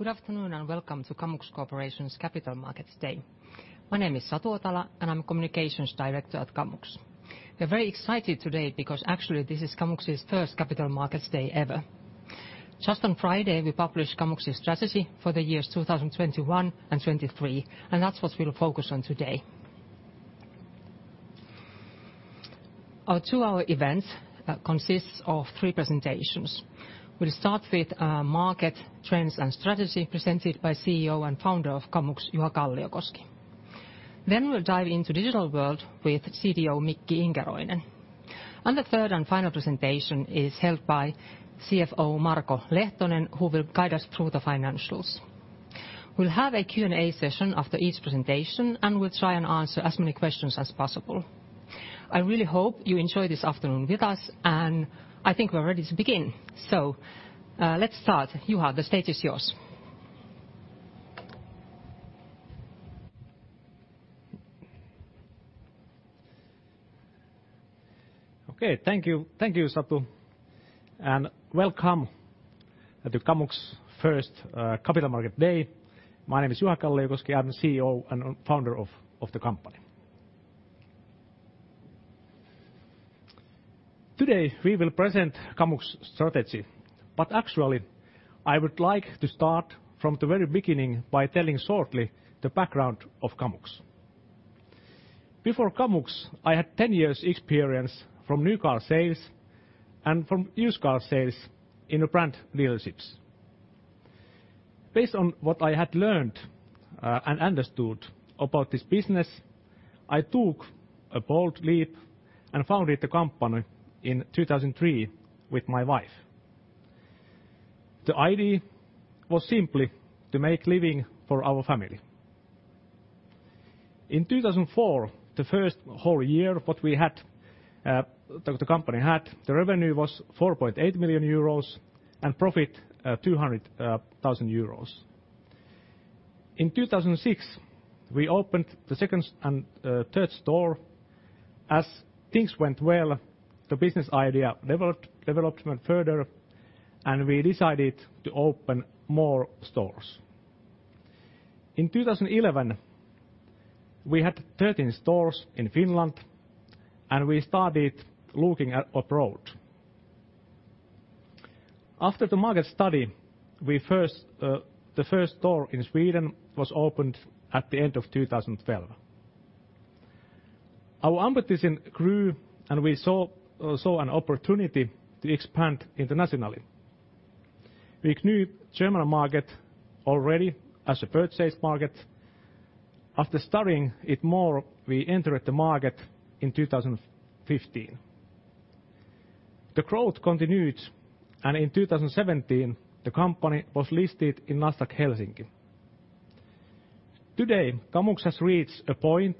Good afternoon. Welcome to Kamux Corporation's Capital Markets Day. My name is Satu Otala, and I'm Communications Director at Kamux. We're very excited today because actually this is Kamux's first Capital Markets Day ever. Just on Friday, we published Kamux's strategy for the years 2021 and 2023, and that's what we'll focus on today. Our two-hour event consists of three presentations. We'll start with market trends and strategy presented by CEO and Founder of Kamux, Juha Kalliokoski. We'll dive into digital world with CDO Mikko-Heikki Inkeroinen. The third and final presentation is held by CFO Marko Lehtonen, who will guide us through the financials. We'll have a Q&A session after each presentation, and we'll try and answer as many questions as possible. I really hope you enjoy this afternoon with us, and I think we're ready to begin. Let's start. Juha, the stage is yours. Okay. Thank you, Satu, and welcome to Kamux's first Capital Markets Day. My name is Juha Kalliokoski. I'm CEO and Founder of the company. Today, we will present Kamux strategy. Actually, I would like to start from the very beginning by telling shortly the background of Kamux. Before Kamux, I had 10 years experience from new car sales and from used car sales in brand dealerships. Based on what I had learned and understood about this business, I took a bold leap and founded the company in 2003 with my wife. The idea was simply to make living for our family. In 2004, the first whole year, what we had, the company had, the revenue was 4.8 million euros and profit, 200,000 euros. In 2006, we opened the second and third store. As things went well, the business idea developed, development further, and we decided to open more stores. In 2011, we had 13 stores in Finland, and we started looking at abroad. After the market study, the first store in Sweden was opened at the end of 2012. Our ambition grew, and we saw an opportunity to expand internationally. We knew German market already as a purchase market. After studying it more, we entered the market in 2015. The growth continued, and in 2017 the company was listed in Nasdaq Helsinki. Today, Kamux has reached a point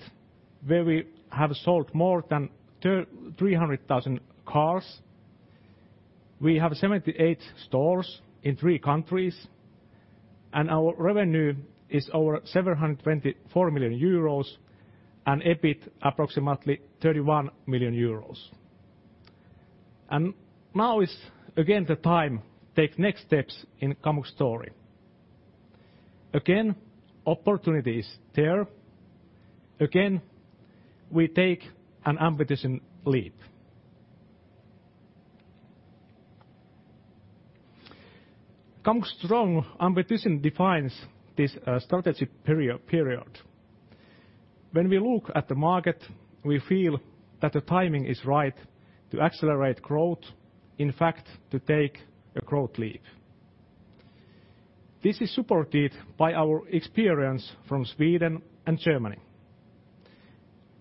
where we have sold more than 300,000 cars. We have 78 stores in three countries, and our revenue is over 724 million euros and EBIT approximately 31 million euros. Now is again the time take next steps in Kamux story. Again, opportunity is there. Again, we take an ambition leap. Kamux strong ambition defines this strategy period. When we look at the market, we feel that the timing is right to accelerate growth, in fact, to take a growth leap. This is supported by our experience from Sweden and Germany.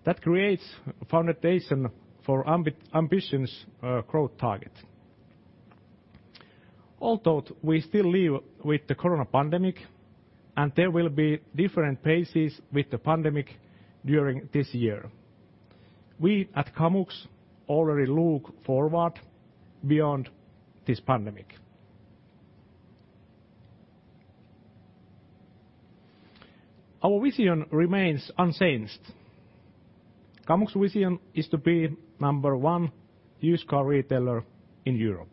That creates foundation for ambitions growth target. Although we still live with the coronavirus pandemic, and there will be different paces with the pandemic during this year, we at Kamux already look forward beyond this pandemic. Our vision remains unchanged. Kamux vision is to be number one used car retailer in Europe.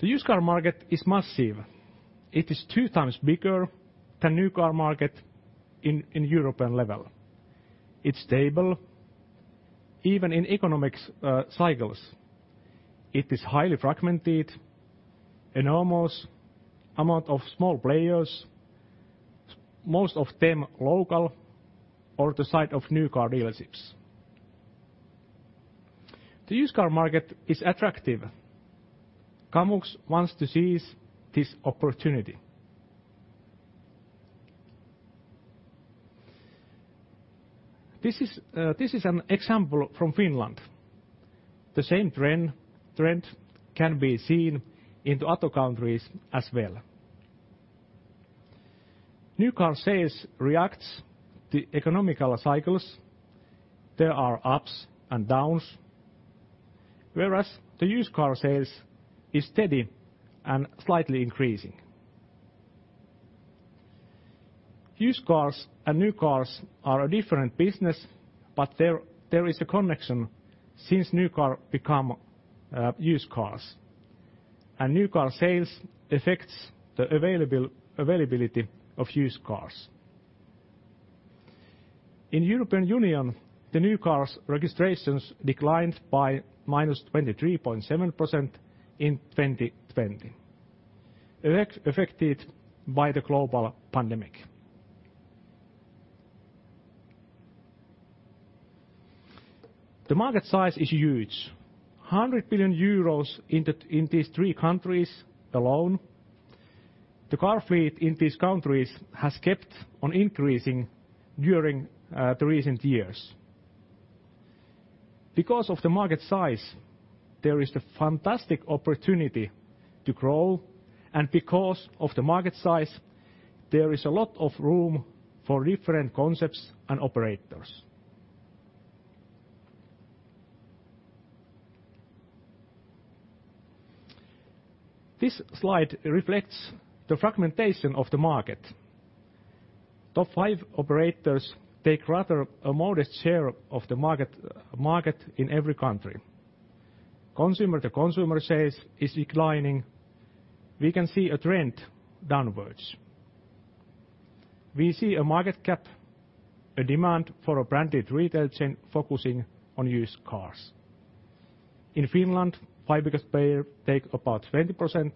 The used car market is massive. It is 2x bigger than new car market in European level. It's stable even in economics cycles. It is highly fragmented, enormous amount of small players, most of them local or the site of new car dealerships. The used car market is attractive. Kamux wants to seize this opportunity. This is an example from Finland. The same trend can be seen into other countries as well. New car sales reacts to economic cycles. There are ups and downs, whereas the used car sales is steady and slightly increasing. Used cars and new cars are a different business, but there is a connection since new cars become used cars. New car sales affects the availability of used cars. In European Union, the new cars registrations declined by -23.7% in 2020, affected by the global pandemic. The market size is huge, 100 billion euros in these three countries alone. The car fleet in these countries has kept on increasing during the recent years. Because of the market size, there is the fantastic opportunity to grow, and because of the market size, there is a lot of room for different concepts and operators. This slide reflects the fragmentation of the market. Top five operators take rather a modest share of the market in every country. Consumer to consumer sales is declining. We can see a trend downwards. We see a market gap, a demand for a branded retail chain focusing on used cars. In Finland, five biggest players take about 20%,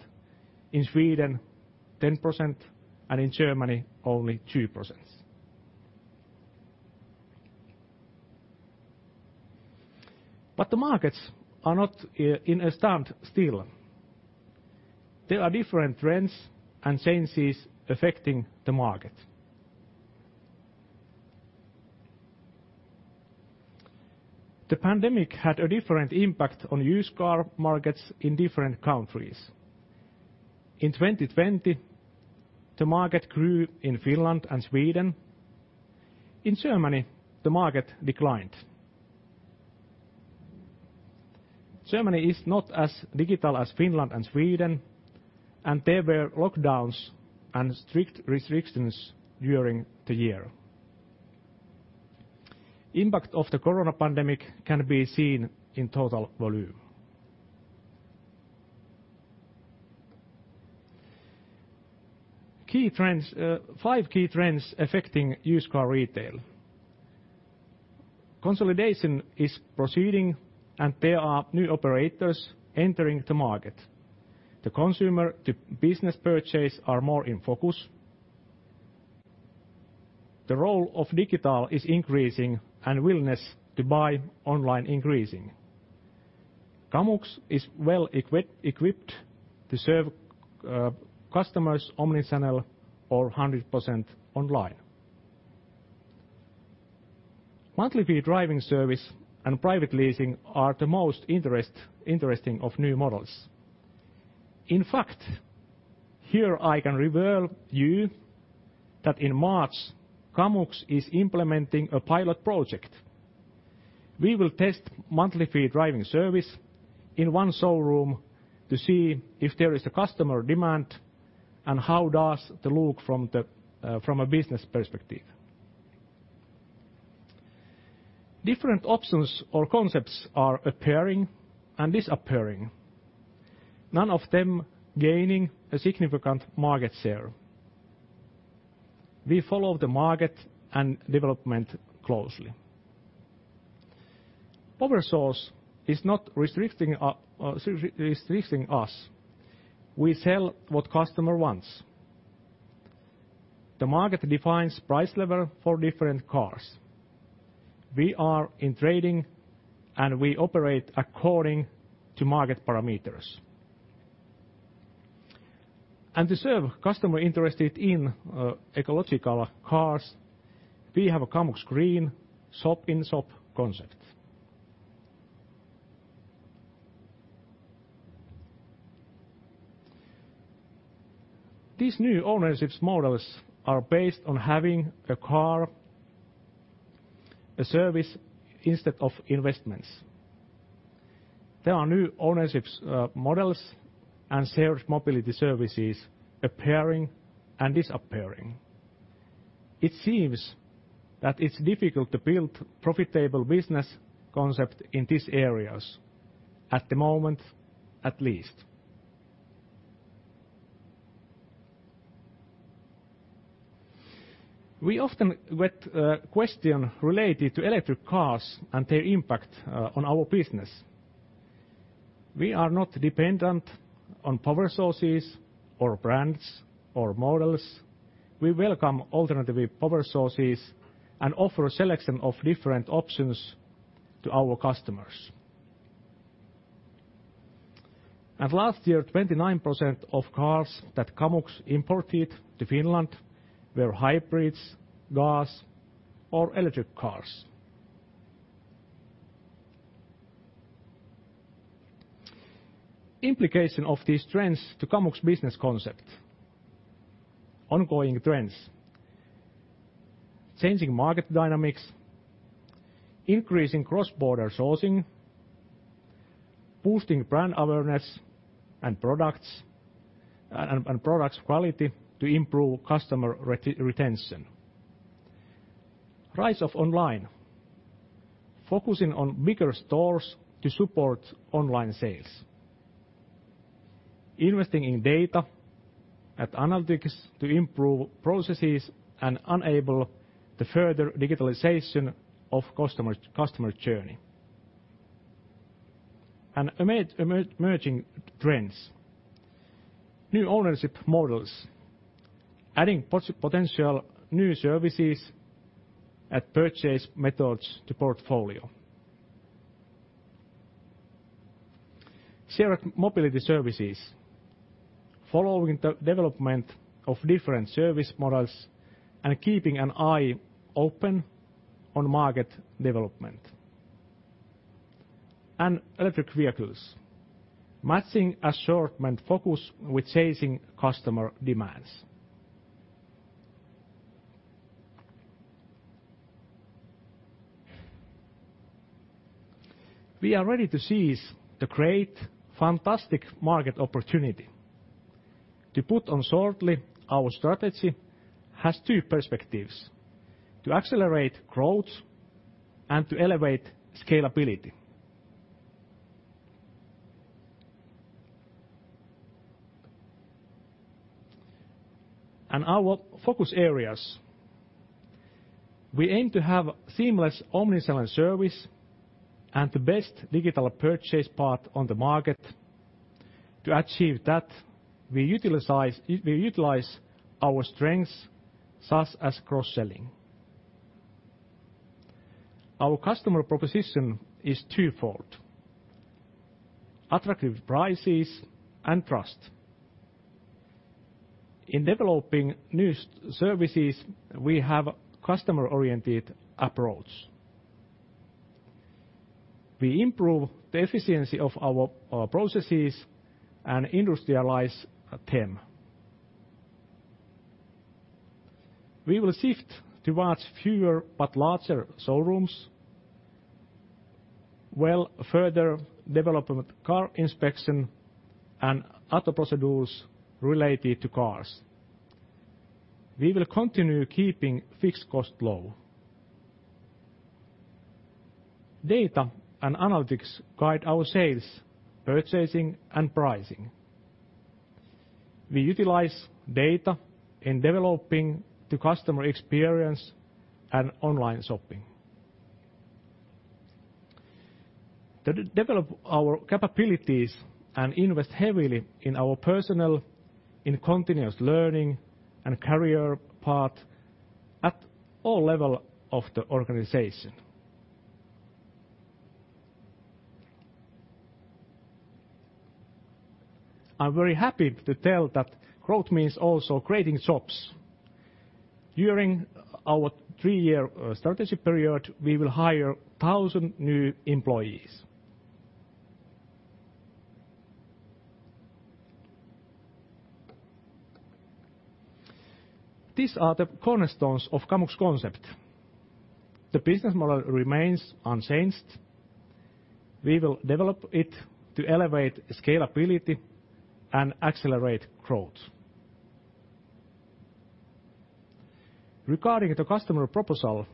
in Sweden 10%, and in Germany only 2%. The markets are not in a standstill. There are different trends and changes affecting the market. The pandemic had a different impact on used car markets in different countries. In 2020, the market grew in Finland and Sweden. In Germany, the market declined. Germany is not as digital as Finland and Sweden, and there were lockdowns and strict restrictions during the year. Impact of the coronavirus pandemic can be seen in total volume. Five key trends affecting used car retail. Consolidation is proceeding, and there are new operators entering the market. The consumer to business purchase are more in focus. The role of digital is increasing and willingness to buy online increasing. Kamux is well-equipped to serve customers omnichannel or 100% online. Monthly-fee driving service and private leasing are the most interesting of new models. In fact, here I can reveal you that in March, Kamux is implementing a pilot project. We will test monthly-fee driving service in one showroom to see if there is a customer demand and how does it look from a business perspective. Different options or concepts are appearing and disappearing, none of them gaining a significant market share. We follow the market and development closely. Power source is not restricting us. We sell what customer wants. The market defines price level for different cars. We are in trading, and we operate according to market parameters. To serve customer interested in ecological cars, we have a Kamux Green shop-in-shop concept. These new ownership models are based on having a car, a service instead of investments. There are new ownership models and shared mobility services appearing and disappearing. It seems that it's difficult to build profitable business concept in these areas, at the moment, at least. We often get question related to electric cars and their impact on our business. We are not dependent on power sources or brands or models. We welcome alternative power sources and offer a selection of different options to our customers. Last year, 29% of cars that Kamux imported to Finland were hybrids, gas, or electric cars. Implication of these trends to Kamux business concept. Ongoing trends. Changing market dynamics, increasing cross-border sourcing. Boosting brand awareness and products quality to improve customer retention. Rise of online. Focusing on bigger stores to support online sales. Investing in data and analytics to improve processes and enable the further digitalization of customer journey. Emerging trends. New ownership models, adding potential new services and purchase methods to portfolio. Shared mobility services, following the development of different service models and keeping an eye open on market development. Electric vehicles, matching assortment focus with changing customer demands. We are ready to seize the great, fantastic market opportunity. To put on shortly, our strategy has two perspectives, to accelerate growth and to elevate scalability. Our focus areas, we aim to have seamless omnichannel service and the best digital purchase path on the market. To achieve that, we utilize our strengths such as cross-selling. Our customer proposition is twofold, attractive prices and trust. In developing new services, we have customer-oriented approach. We improve the efficiency of our processes and industrialize them. We will shift towards fewer but larger showrooms, while further development car inspection and other procedures related to cars. We will continue keeping fixed cost low. Data and analytics guide our sales, purchasing, and pricing. We utilize data in developing the customer experience and online shopping. To develop our capabilities and invest heavily in our personnel and continuous learning and career path at all levels of the organization. I'm very happy to tell that growth means also creating jobs. During our three-year strategy period, we will hire 1,000 new employees. These are the cornerstones of Kamux concept. The business model remains unchanged. We will develop it to elevate scalability and accelerate growth. Regarding the customer proposal,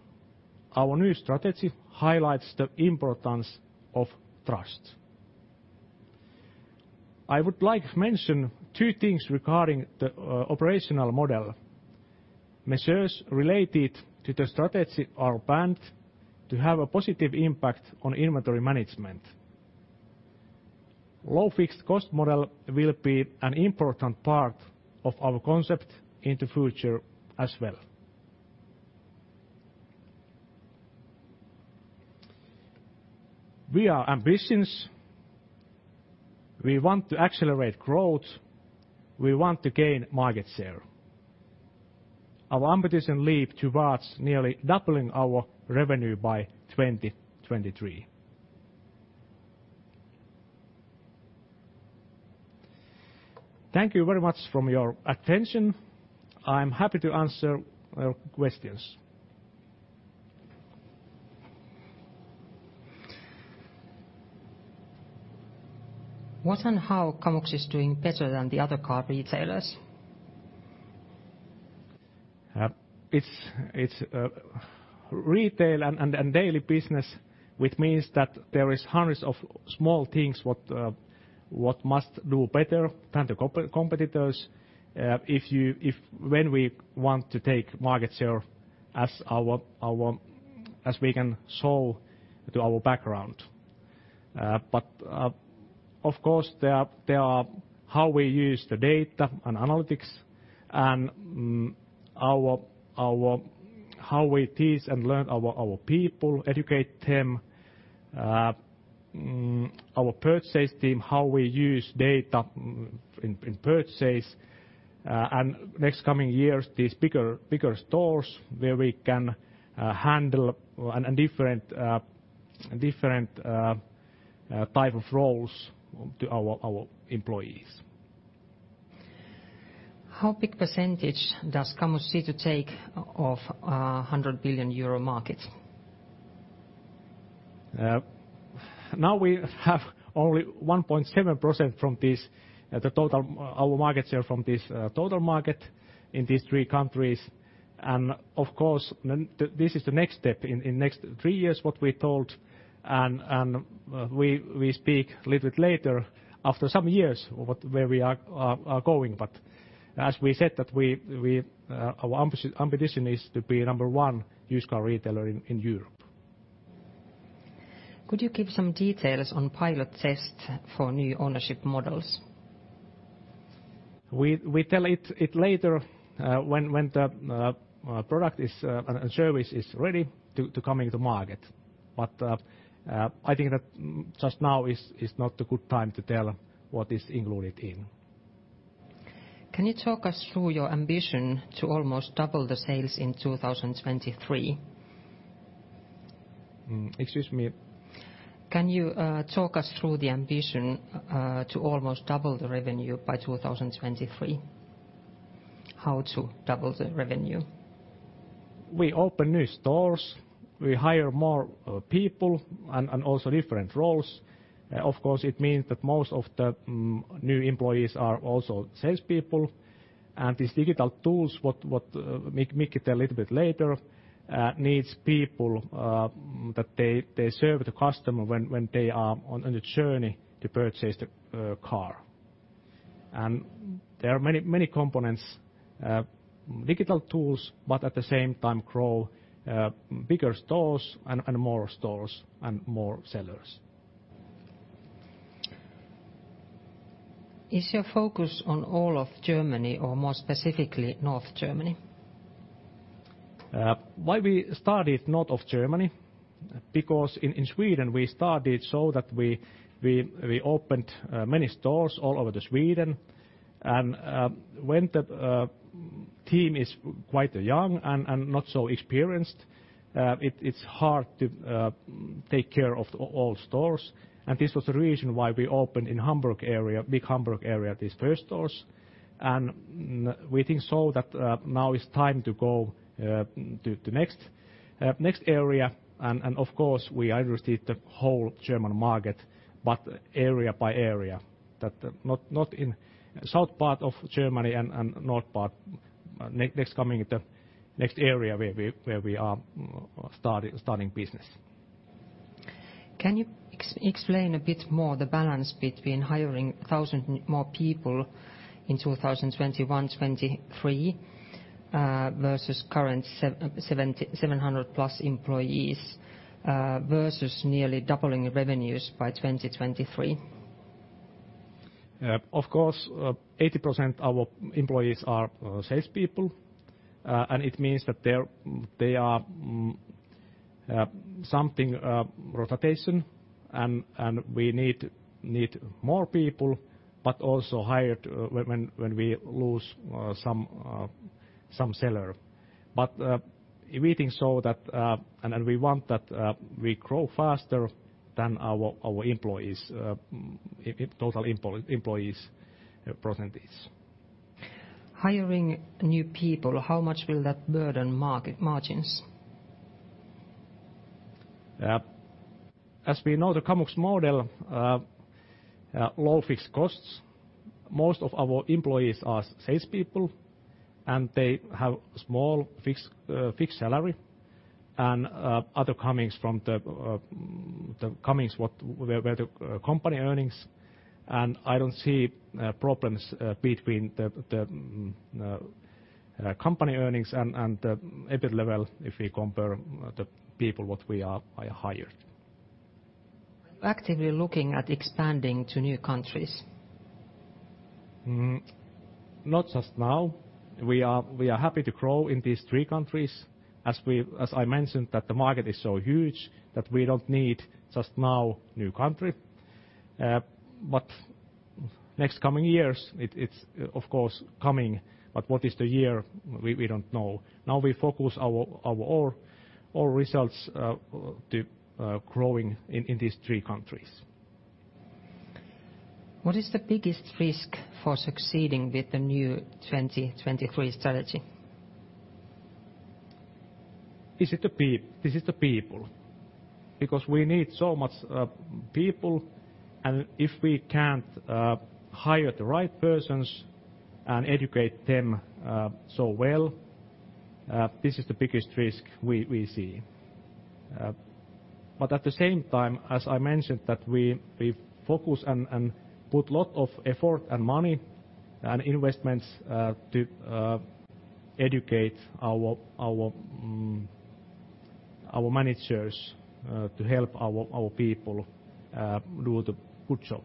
our new strategy highlights the importance of trust. I would like to mention two things regarding the operational model. Measures related to the strategy are planned to have a positive impact on inventory management. Low fixed cost model will be an important part of our concept in the future as well. We are ambitious. We want to accelerate growth. We want to gain market share. Our ambition lead towards nearly doubling our revenue by 2023. Thank you very much from your attention. I'm happy to answer your questions. What and how Kamux is doing better than the other car retailers? It's retail and daily business, which means that there is hundreds of small things what must do better than the competitors when we want to take market share as we can show to our background. Of course, there are how we use the data and analytics and how we teach and learn our people, educate them. Our purchase team, how we use data in purchase. Next coming years, these bigger stores where we can handle different type of roles to our employees. How big percentage does Kamux see to take of a 100 billion euro market? Now we have only 1.7% from this, the total our market share from this total market in these three countries. Of course, this is the next step in next three years what we told, and we speak a little bit later after some years where we are going. As we said that our ambition is to be number one used car retailer in Europe. Could you give some details on pilot test for new ownership models? We tell it later when the product and service is ready to coming to market. I think that just now is not a good time to tell what is included in. Can you talk us through your ambition to almost double the sales in 2023? Excuse me. Can you talk us through the ambition to almost double the revenue by 2023? How to double the revenue? We open new stores, we hire more people and also different roles. Of course, it means that most of the new employees are also salespeople. These digital tools, what Mikki tell a little bit later, needs people that they serve the customer when they are on a journey to purchase the car. There are many components digital tools, but at the same time grow bigger stores and more stores and more sellers. Is your focus on all of Germany or more specifically North Germany? Why we started north of Germany, because in Sweden we started so that we opened many stores all over the Sweden and when the team is quite young and not so experienced it's hard to take care of all stores. This was the reason why we opened in big Hamburg area, these first stores. We think so that now is time to go to next area and of course, we understood the whole German market, but area by area, that not in south part of Germany and north part. Next coming, the next area where we are starting business. Can you explain a bit more the balance between hiring 1,000 more people in 2021, 2023 versus current 700 plus employees versus nearly doubling revenues by 2023? Of course, 80% our employees are salespeople. It means that they are some rotation and we need more people, but also hired when we lose some seller. We think so that, we want that we grow faster than our employees, total employees percentage. Hiring new people, how much will that burden margins? As we know the Kamux model low fixed costs, most of our employees are salespeople, they have small fixed salary and other incomes where the company earnings. I don't see problems between the company earnings and the EBIT level if we compare the people what we are hire. Actively looking at expanding to new countries? Not just now. We are happy to grow in these three countries. As I mentioned that the market is so huge that we don't need just now new country. Next coming years it's of course coming, but what is the year we don't know. Now we focus our all results to growing in these three countries. What is the biggest risk for succeeding with the new 2023 strategy? This is the people. We need so much people, and if we can't hire the right persons and educate them so well this is the biggest risk we see. At the same time, as I mentioned that we focus and put lot of effort and money and investments to educate our managers to help our people do the good job.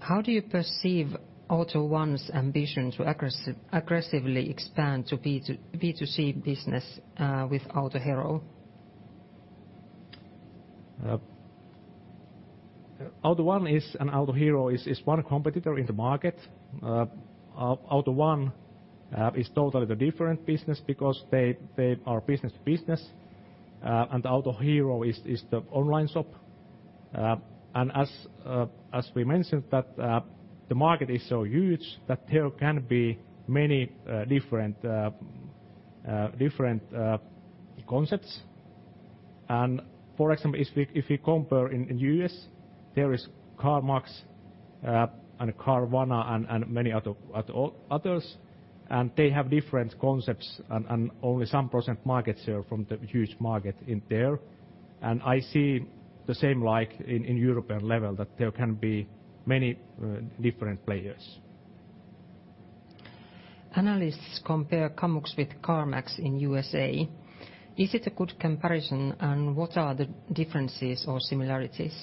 How do you perceive AUTO1's ambition to aggressively expand to B2C business with Autohero? AUTO1 Group and Autohero is one competitor in the market. AUTO1 Group is totally the different business because they are B2B. Autohero is the online shop. As we mentioned that the market is so huge that there can be many different concepts. For example, if we compare in U.S., there is CarMax, and Carvana and many others. They have different concepts and only some percent market share from the huge market in there. I see the same like in European level, that there can be many different players. Analysts compare Kamux with CarMax in U.S.A. Is it a good comparison and what are the differences or similarities?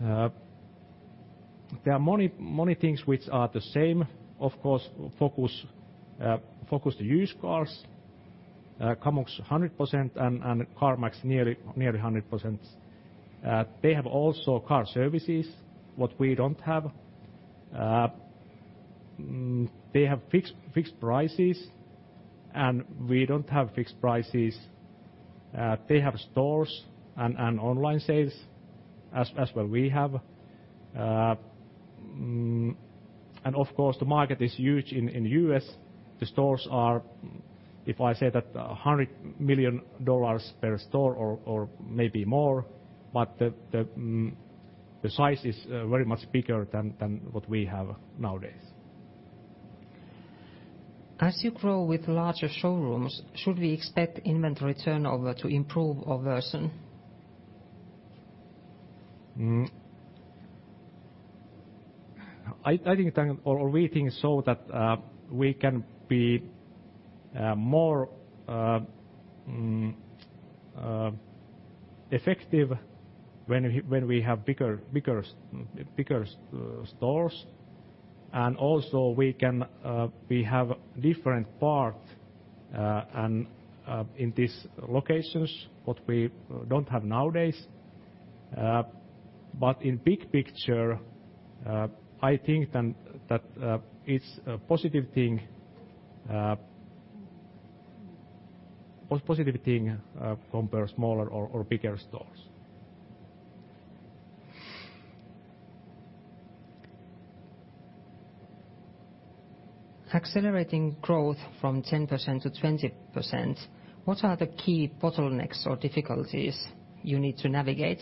There are many things which are the same, of course, focus to used cars, Kamux 100% and CarMax nearly 100%. They have also car services, what we don't have. They have fixed prices, and we don't have fixed prices. They have stores and online sales as well we have. Of course, the market is huge in U.S. The stores are, if I say that $100 million per store or maybe more, but the size is very much bigger than what we have nowadays. As you grow with larger showrooms, should we expect inventory turnover to improve or worsen? I think, or we think so that we can be more effective when we have bigger stores. Also we have different part in these locations, what we don't have nowadays. In big picture, I think that it's a positive thing compare smaller or bigger stores. Accelerating growth from 10%-20%, what are the key bottlenecks or difficulties you need to navigate?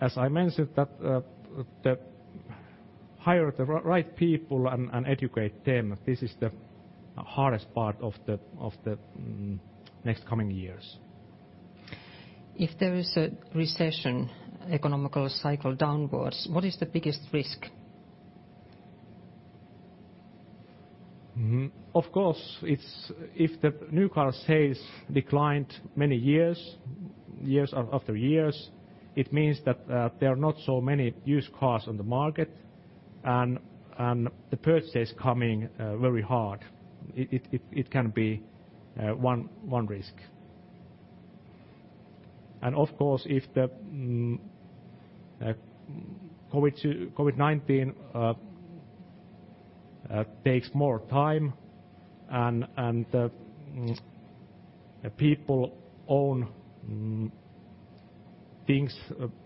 As I mentioned, hire the right people and educate them, this is the hardest part of the next coming years. If there is a recession, economical cycle downwards, what is the biggest risk? Of course, if the new car sales declined many years after years, it means that there are not so many used cars on the market and the purchase coming very hard. It can be one risk. Of course, if the COVID-19 takes more time and the people own things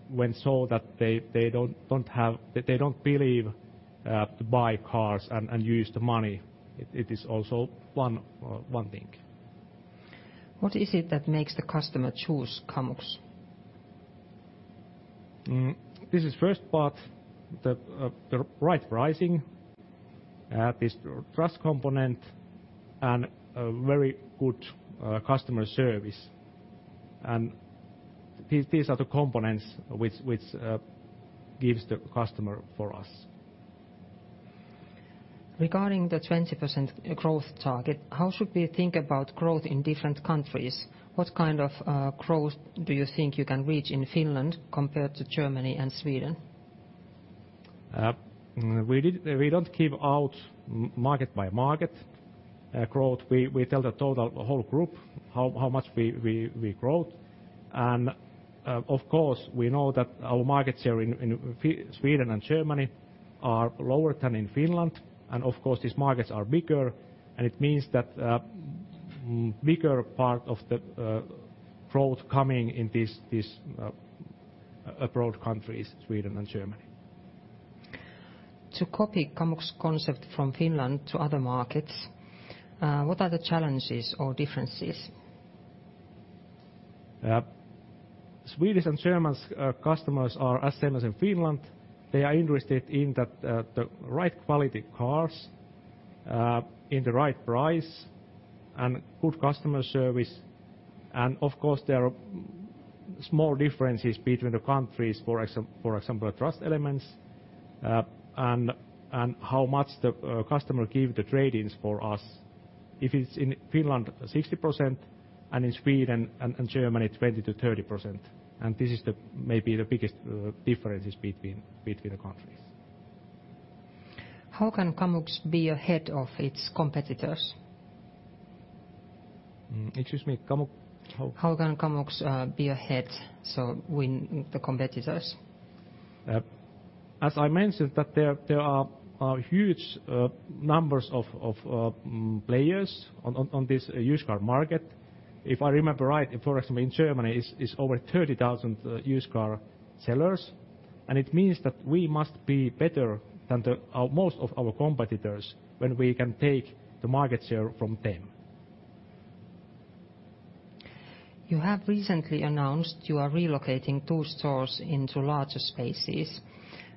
when saw that they don't believe to buy cars and use the money, it is also one thing. What is it that makes the customer choose Kamux? This is first part, the right pricing, this trust component, and a very good customer service. These are the components which gives the customer for us. Regarding the 20% growth target, how should we think about growth in different countries? What kind of growth do you think you can reach in Finland compared to Germany and Sweden? We don't give out market by market growth. We tell the total whole group how much we grow. Of course, we know that our market share in Sweden and Germany are lower than in Finland, and of course these markets are bigger, and it means that bigger part of the growth coming in these abroad countries, Sweden and Germany. To copy Kamux concept from Finland to other markets, what are the challenges or differences? Swedish and German customers are as same as in Finland. They are interested in the right quality cars, in the right price, and good customer service. Of course, there are small differences between the countries, for example, trust elements, and how much the customer give the trade-ins for us. If it's in Finland 60% and in Sweden and Germany 20%-30%, this is maybe the biggest differences between the countries. How can Kamux be ahead of its competitors? Excuse me. How can Kamux be ahead, so win the competitors? As I mentioned that there are huge numbers of players on this used car market. If I remember right, for example, in Germany it's over 30,000 used car sellers, it means that we must be better than most of our competitors when we can take the market share from them. You have recently announced you are relocating two stores into larger spaces.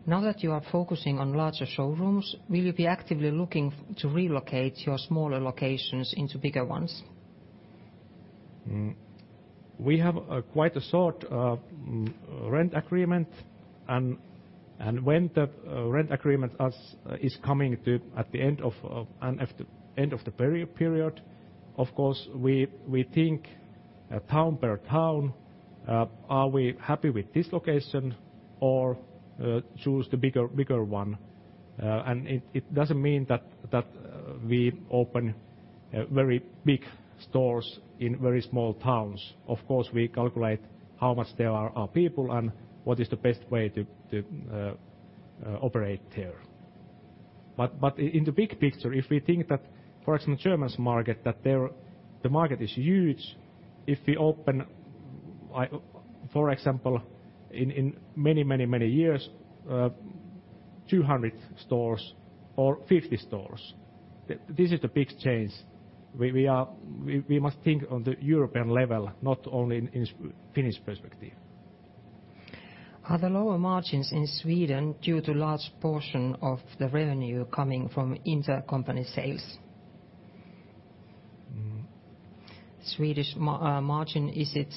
Now that you are focusing on larger showrooms, will you be actively looking to relocate your smaller locations into bigger ones? We have quite a short rent agreement, and when the rent agreement is coming at the end of the period, of course, we think town per town, are we happy with this location or choose the bigger one? It doesn't mean that we open very big stores in very small towns. Of course, we calculate how much there are people and what is the best way to operate there. In the big picture, if we think that, for example, German market, that the market is huge. If we open, for example, in many years, 200 stores or 50 stores, this is the big change. We must think on the European level, not only in Finnish perspective. Are the lower margins in Sweden due to large portion of the revenue coming from intercompany sales? Swedish margin, is it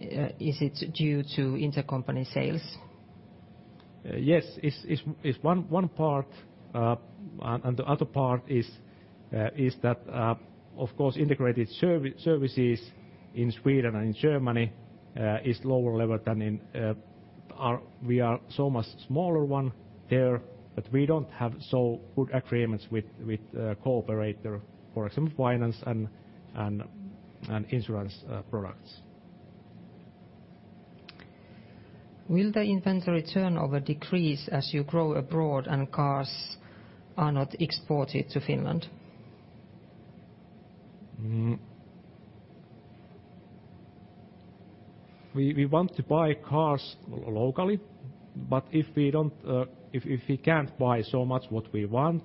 due to intercompany sales? Yes. It's one part, and the other part is that, of course, integrated services in Sweden and in Germany is lower level than in we are so much smaller one there, but we don't have so good agreements with cooperator, for example, finance and insurance products. Will the inventory turnover decrease as you grow abroad and cars are not exported to Finland? We want to buy cars locally, but if we can't buy so much what we want,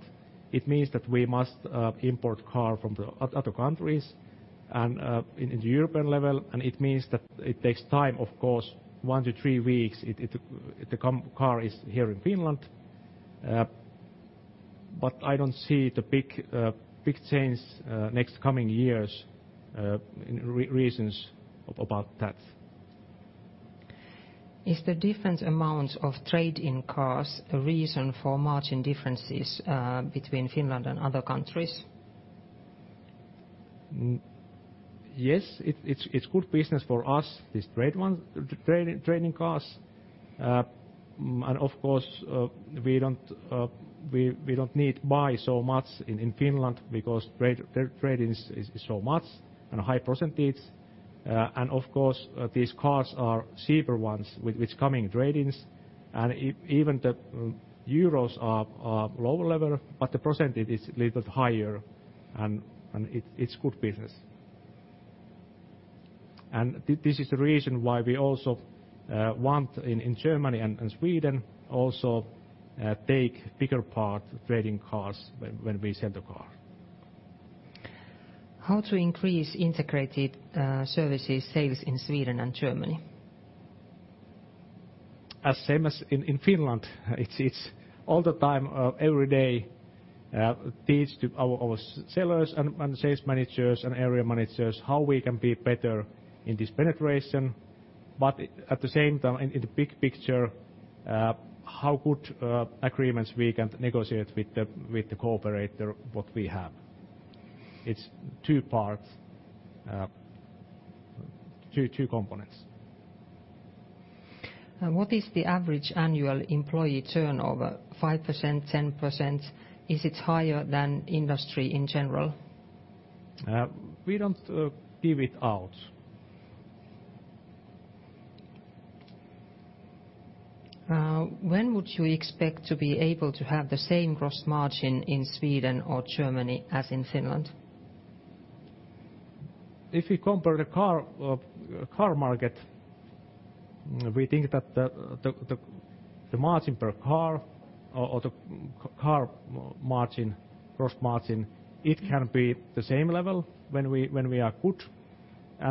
it means that we must import car from the other countries and in the European level, and it means that it takes time, of course, one to three weeks the car is here in Finland. I don't see the big change next coming years in regions about that. Is the different amount of trade-in cars a reason for margin differences between Finland and other countries? Yes, it's good business for us, this trade-in cars. Of course, we don't need buy so much in Finland because trade-in is so much and a high percentage. Of course, these cars are cheaper ones with coming trade-ins, and even the euros are lower level, but the percentage is little higher and it's good business. This is the reason why we also want in Germany and Sweden also take bigger part trade-in cars when we sell the car. How to increase integrated services sales in Sweden and Germany? As same as in Finland. It's all the time, every day, teach to our sellers and sales managers and area managers how we can be better in this penetration. At the same time, in the big picture, how good agreements we can negotiate with the cooperator what we have. It's two parts, two components. What is the average annual employee turnover, 5%, 10%? Is it higher than industry in general? We don't give it out. When would you expect to be able to have the same gross margin in Sweden or Germany as in Finland? If you compare the car market, we think that the margin per car or the car margin, gross margin, it can be the same level when we are good.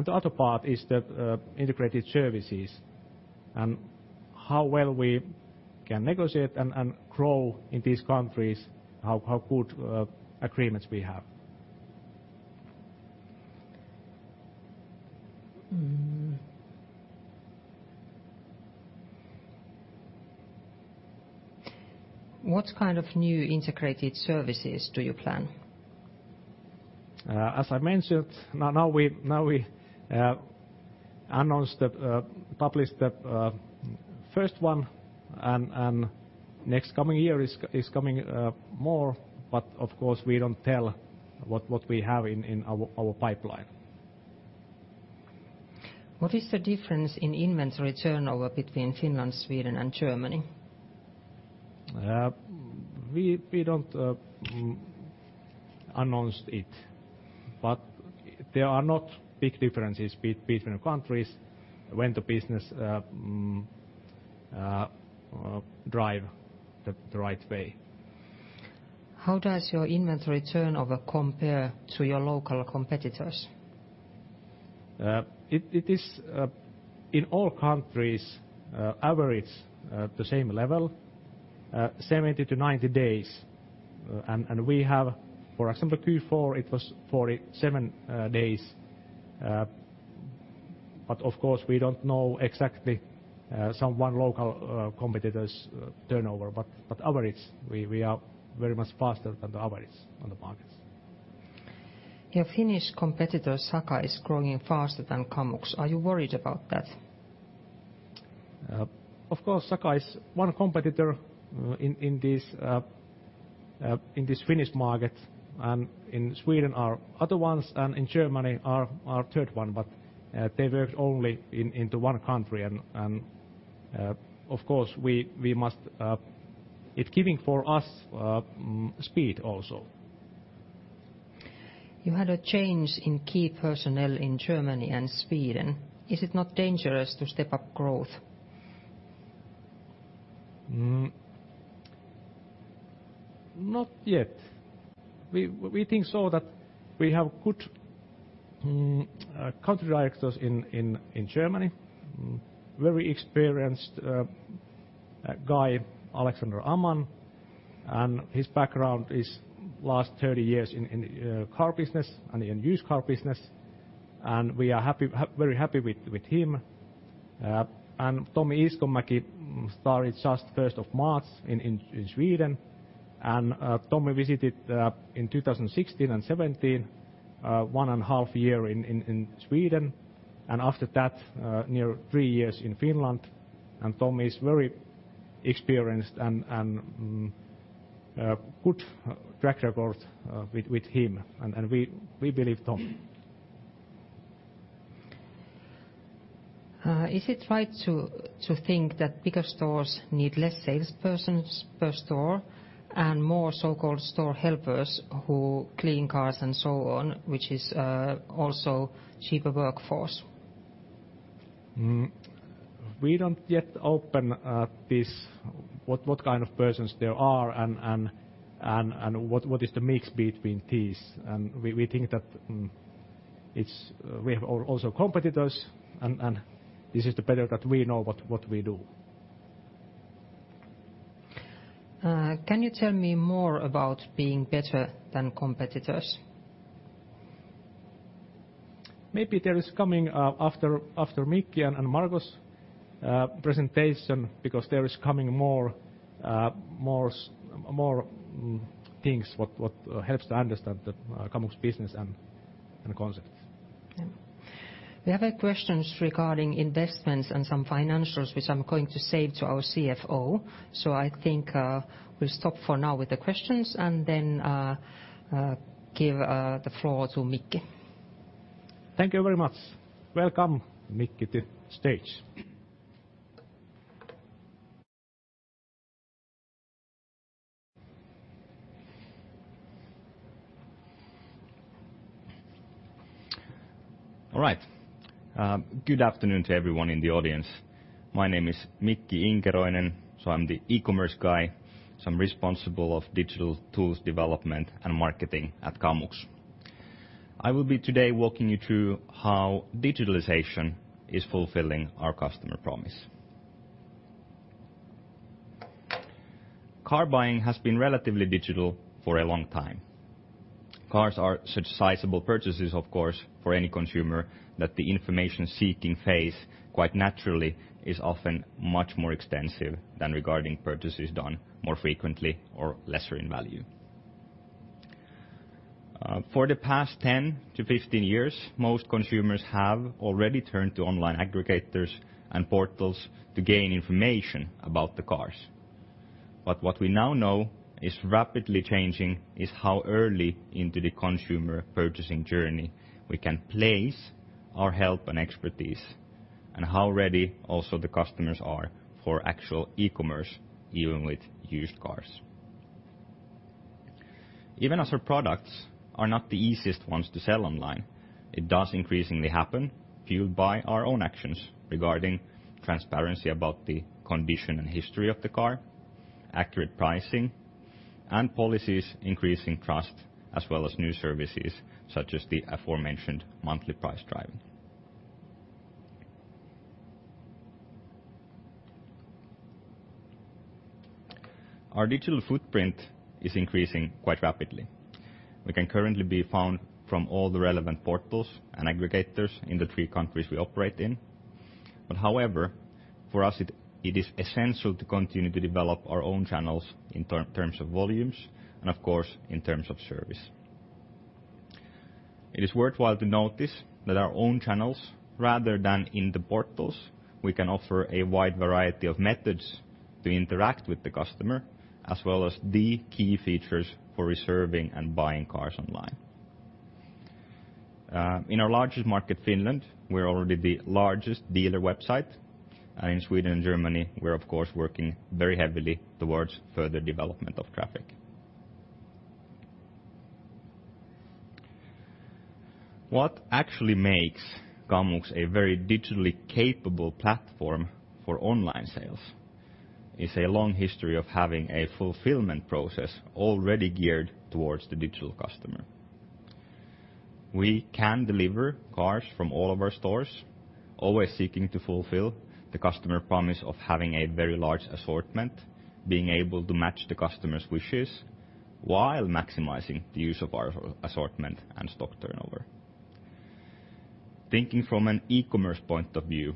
The other part is the integrated services and how well we can negotiate and grow in these countries, how good agreements we have. What kind of new integrated services do you plan? As I mentioned, now we announced the published first one and next coming year is coming more. Of course, we don't tell what we have in our pipeline. What is the difference in inventory turnover between Finland, Sweden, and Germany? We don't announce it, but there are not big differences between the countries when the business drives the right way. How does your inventory turnover compare to your local competitors? It is in all countries, average the same level, 70-90 days. We have, for example, Q4, it was 47 days. Of course, we don't know exactly some one local competitor's turnover. Average, we are very much faster than the average on the markets. Your Finnish competitor, Saka, is growing faster than Kamux. Are you worried about that? Of course, Saka is one competitor in this Finnish market. In Sweden are other ones. In Germany are our third one. They work only in the one country and of course, it giving for us speed also. You had a change in key personnel in Germany and Sweden. Is it not dangerous to step up growth? Not yet. We think so that we have good country directors in Germany, very experienced guy, Marcus Mezödi, and his background is last 30 years in car business and in used car business, and we are very happy with him. Tommi Iiskonmäki started just 1st of March in Sweden, and Tommi visited in 2016 and 2017 1 and 1/2 year in Sweden, and after that, near three years in Finland. Tommi is very experienced and good track record with him and we believe Tommi. Is it right to think that bigger stores need less salespersons per store and more so-called store helpers who clean cars and so on, which is also cheaper workforce? We don't yet open this, what kind of persons there are and what is the mix between these. This is the better that we know what we do. Can you tell me more about being better than competitors? Maybe there is coming after Mikki and Marko's presentation because there is coming more things what helps to understand the Kamux business and concepts. We have questions regarding investments and some financials, which I'm going to save to our CFO. I think we'll stop for now with the questions and then give the floor to Mikki. Thank you very much. Welcome, Mikki to stage. All right. Good afternoon to everyone in the audience. My name is Mikki Inkeroinen, so I'm the e-commerce guy, so I'm responsible of digital tools development and marketing at Kamux. I will be today walking you through how digitalization is fulfilling our customer promise. Car buying has been relatively digital for a long time. Cars are such sizable purchases, of course, for any consumer that the information-seeking phase, quite naturally, is often much more extensive than regarding purchases done more frequently or lesser in value. For the past 10-15 years, most consumers have already turned to online aggregators and portals to gain information about the cars. What we now know is rapidly changing is how early into the consumer purchasing journey we can place our help and expertise and how ready also the customers are for actual e-commerce even with used cars. Even as our products are not the easiest ones to sell online, it does increasingly happen, fueled by our own actions regarding transparency about the condition and history of the car, accurate pricing, and policies increasing trust, as well as new services such as the aforementioned Monthly Price Driving. Our digital footprint is increasing quite rapidly. We can currently be found from all the relevant portals and aggregators in the three countries we operate in. However, for us, it is essential to continue to develop our own channels in terms of volumes and of course, in terms of service. It is worthwhile to notice that our own channels, rather than in the portals, we can offer a wide variety of methods to interact with the customer, as well as the key features for reserving and buying cars online. In our largest market, Finland, we're already the largest dealer website. In Sweden and Germany, we're of course working very heavily towards further development of traffic. What actually makes Kamux a very digitally capable platform for online sales is a long history of having a fulfillment process already geared towards the digital customer. We can deliver cars from all of our stores, always seeking to fulfill the customer promise of having a very large assortment, being able to match the customer's wishes while maximizing the use of our assortment and stock turnover. Thinking from an e-commerce point of view,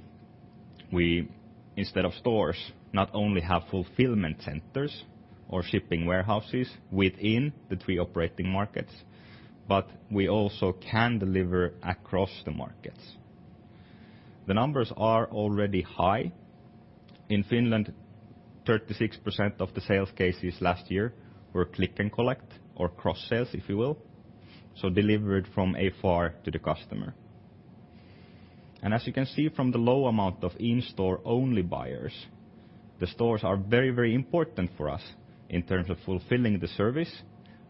we, instead of stores, not only have fulfillment centers or shipping warehouses within the three operating markets, but we also can deliver across the markets. The numbers are already high. In Finland, 36% of the sales cases last year were click and collect or cross-sales, if you will, so delivered from afar to the customer. As you can see from the low amount of in-store only buyers, the stores are very important for us in terms of fulfilling the service,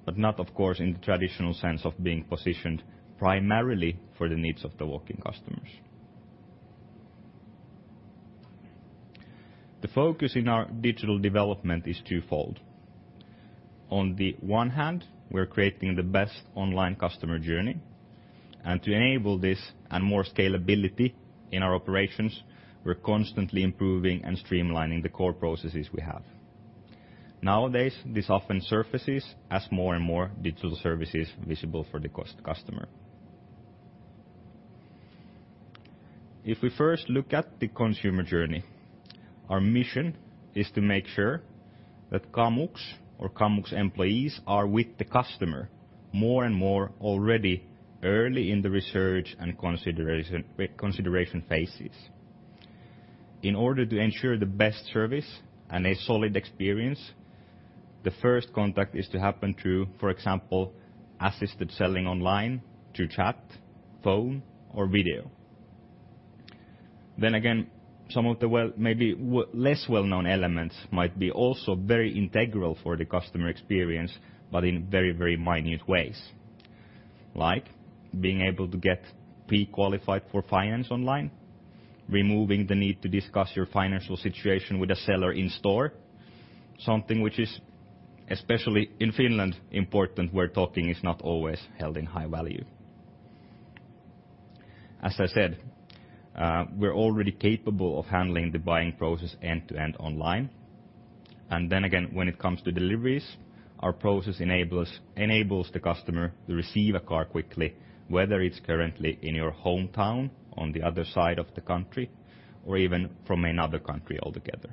but not of course in the traditional sense of being positioned primarily for the needs of the walk-in customers. The focus in our digital development is twofold. On the one hand, we're creating the best online customer journey, and to enable this and more scalability in our operations, we're constantly improving and streamlining the core processes we have. Nowadays, this often surfaces as more and more digital services visible for the customer. If we first look at the consumer journey, our mission is to make sure that Kamux or Kamux employees are with the customer more and more already early in the research and consideration phases. In order to ensure the best service and a solid experience, the first contact is to happen through, for example, assisted selling online through chat, phone, or video. Some of the maybe less well-known elements might be also very integral for the customer experience, but in very minute ways, like being able to get pre-qualified for finance online, removing the need to discuss your financial situation with a seller in store, something which is, especially in Finland, important where talking is not always held in high value. As I said, we're already capable of handling the buying process end to end online. When it comes to deliveries, our process enables the customer to receive a car quickly, whether it's currently in your hometown, on the other side of the country, or even from another country altogether.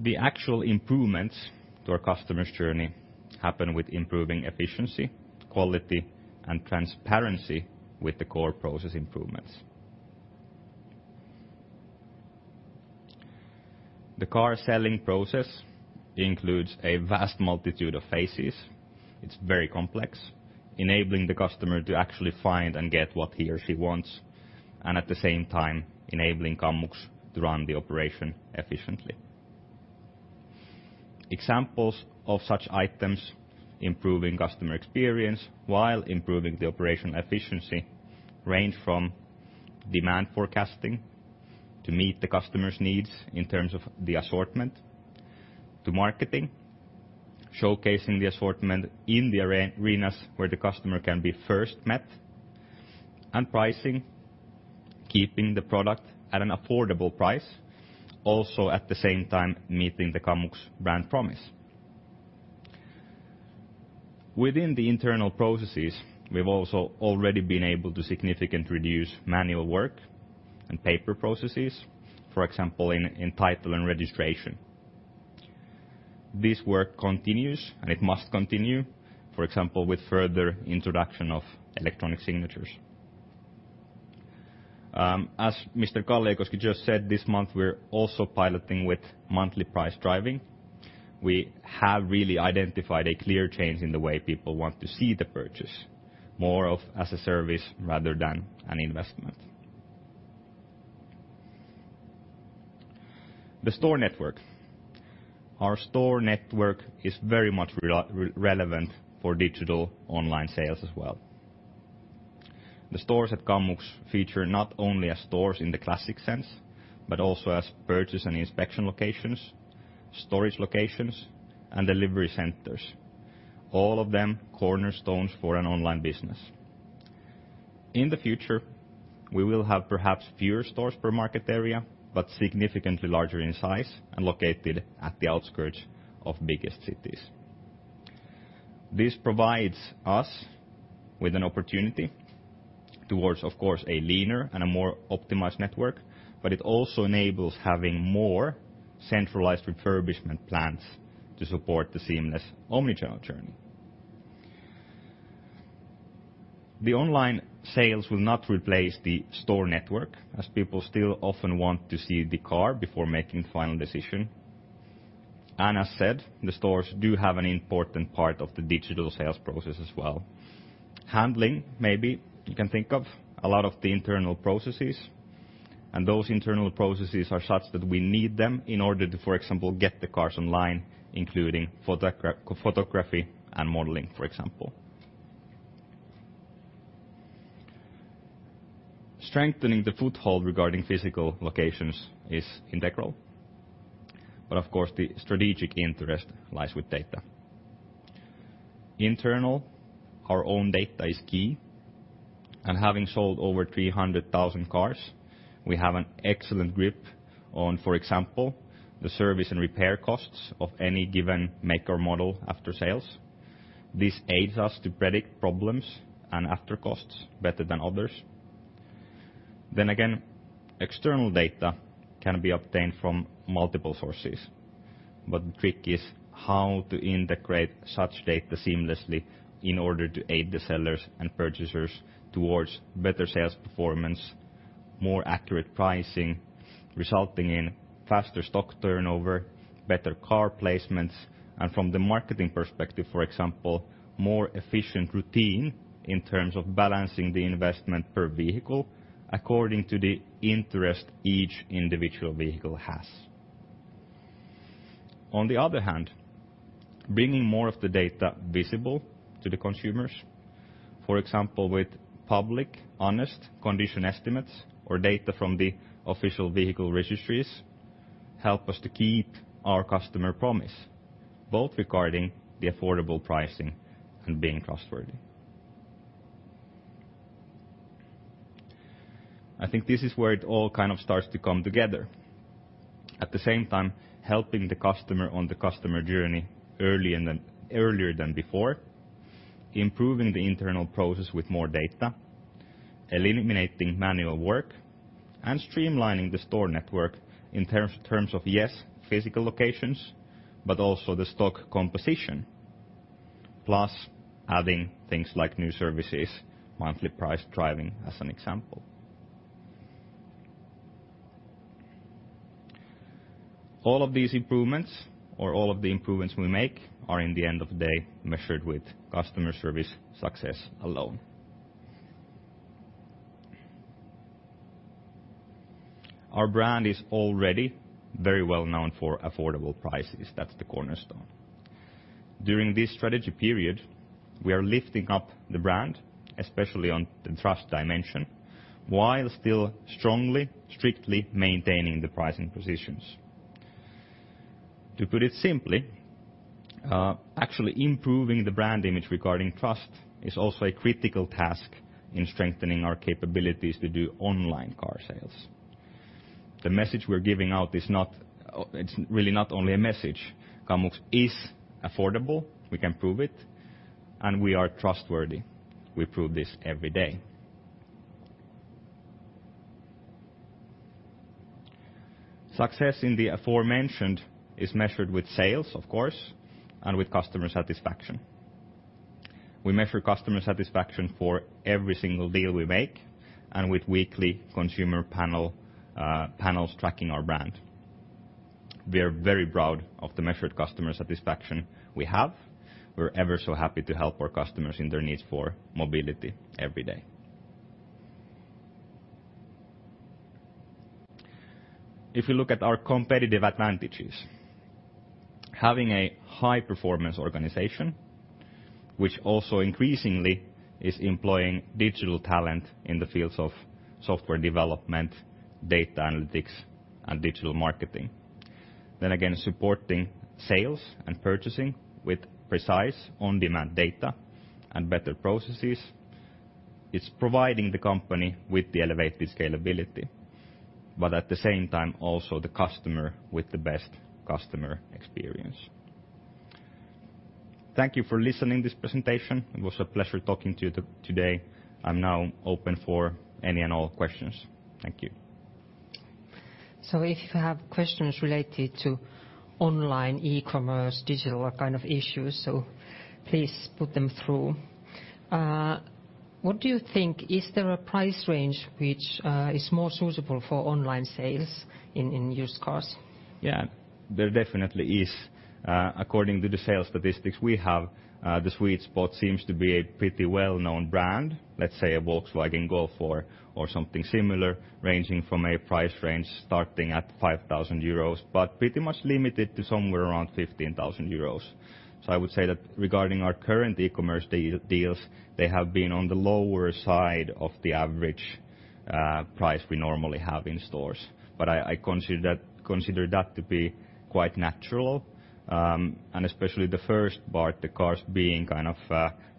The actual improvements to our customer's journey happen with improving efficiency, quality, and transparency with the core process improvements. The car selling process includes a vast multitude of phases. It's very complex, enabling the customer to actually find and get what he or she wants, and at the same time enabling Kamux to run the operation efficiently. Examples of such items improving customer experience while improving the operation efficiency range from demand forecasting to meet the customer's needs in terms of the assortment to marketing, showcasing the assortment in the arenas where the customer can be first met, and pricing, keeping the product at an affordable price, also at the same time meeting the Kamux brand promise. Within the internal processes, we've also already been able to significantly reduce manual work and paper processes, for example, in title and registration. This work continues, and it must continue, for example, with further introduction of electronic signatures. As Mr. Kalle Kalliokoski just said this month, we're also piloting with monthly price driving. We have really identified a clear change in the way people want to see the purchase, more of as a service rather than an investment. The store network. Our store network is very much relevant for digital online sales as well. The stores at Kamux feature not only as stores in the classic sense, but also as purchase and inspection locations, storage locations, and delivery centers, all of them cornerstones for an online business. In the future, we will have perhaps fewer stores per market area, but significantly larger in size and located at the outskirts of biggest cities. This provides us with an opportunity towards, of course, a leaner and a more optimized network, but it also enables having more centralized refurbishment plans to support the seamless omnichannel journey. The online sales will not replace the store network, as people still often want to see the car before making the final decision, and as said, the stores do have an important part of the digital sales process as well. Handling, maybe you can think of a lot of the internal processes, and those internal processes are such that we need them in order to, for example, get the cars online, including photography and modeling, for example. Strengthening the foothold regarding physical locations is integral, but of course, the strategic interest lies with data. Internal, our own data is key. Having sold over 300,000 cars, we have an excellent grip on, for example, the service and repair costs of any given make or model after-sales. This aids us to predict problems and after-costs better than others. Again, external data can be obtained from multiple sources. The trick is how to integrate such data seamlessly in order to aid the sellers and purchasers towards better sales performance, more accurate pricing, resulting in faster inventory turnover, better car placements, and from the marketing perspective, for example, more efficient routine in terms of balancing the investment per vehicle according to the interest each individual vehicle has. Bringing more of the data visible to the consumers, for example, with public honest condition estimates or data from the official vehicle registries, help us to keep our customer promise, both regarding the affordable pricing and being trustworthy. I think this is where it all starts to come together. At the same time, helping the customer on the customer journey earlier than before, improving the internal process with more data, eliminating manual work, and streamlining the store network in terms of, yes, physical locations, but also the stock composition. Adding things like new services, monthly price driving as an example. All of these improvements or all of the improvements we make are in the end of the day measured with customer service success alone. Our brand is already very well known for affordable prices. That's the cornerstone. During this strategy period, we are lifting up the brand, especially on the trust dimension, while still strongly, strictly maintaining the pricing positions. To put it simply, actually improving the brand image regarding trust is also a critical task in strengthening our capabilities to do online car sales. The message we're giving out, it's really not only a message. Kamux is affordable. We can prove it, and we are trustworthy. We prove this every day. Success in the aforementioned is measured with sales, of course, and with customer satisfaction. We measure customer satisfaction for every single deal we make and with weekly consumer panels tracking our brand. We are very proud of the measured customer satisfaction we have. We're ever so happy to help our customers in their needs for mobility every day. If you look at our competitive advantages, having a high performance organization, which also increasingly is employing digital talent in the fields of software development, data analytics, and digital marketing. Again, supporting sales and purchasing with precise on-demand data and better processes, it's providing the company with the elevated scalability, but at the same time, also the customer with the best customer experience. Thank you for listening this presentation. It was a pleasure talking to you today. I'm now open for any and all questions. Thank you. If you have questions related to online, e-commerce, digital kind of issues, so please put them through. What do you think, is there a price range which is more suitable for online sales in used cars? Yeah, there definitely is. According to the sales statistics we have, the sweet spot seems to be a pretty well-known brand, let's say a Volkswagen Golf or something similar, ranging from a price range starting at 5,000 euros, but pretty much limited to somewhere around 15,000 euros. I would say that regarding our current e-commerce deals, they have been on the lower side of the average price we normally have in stores. I consider that to be quite natural, and especially the first part, the cars being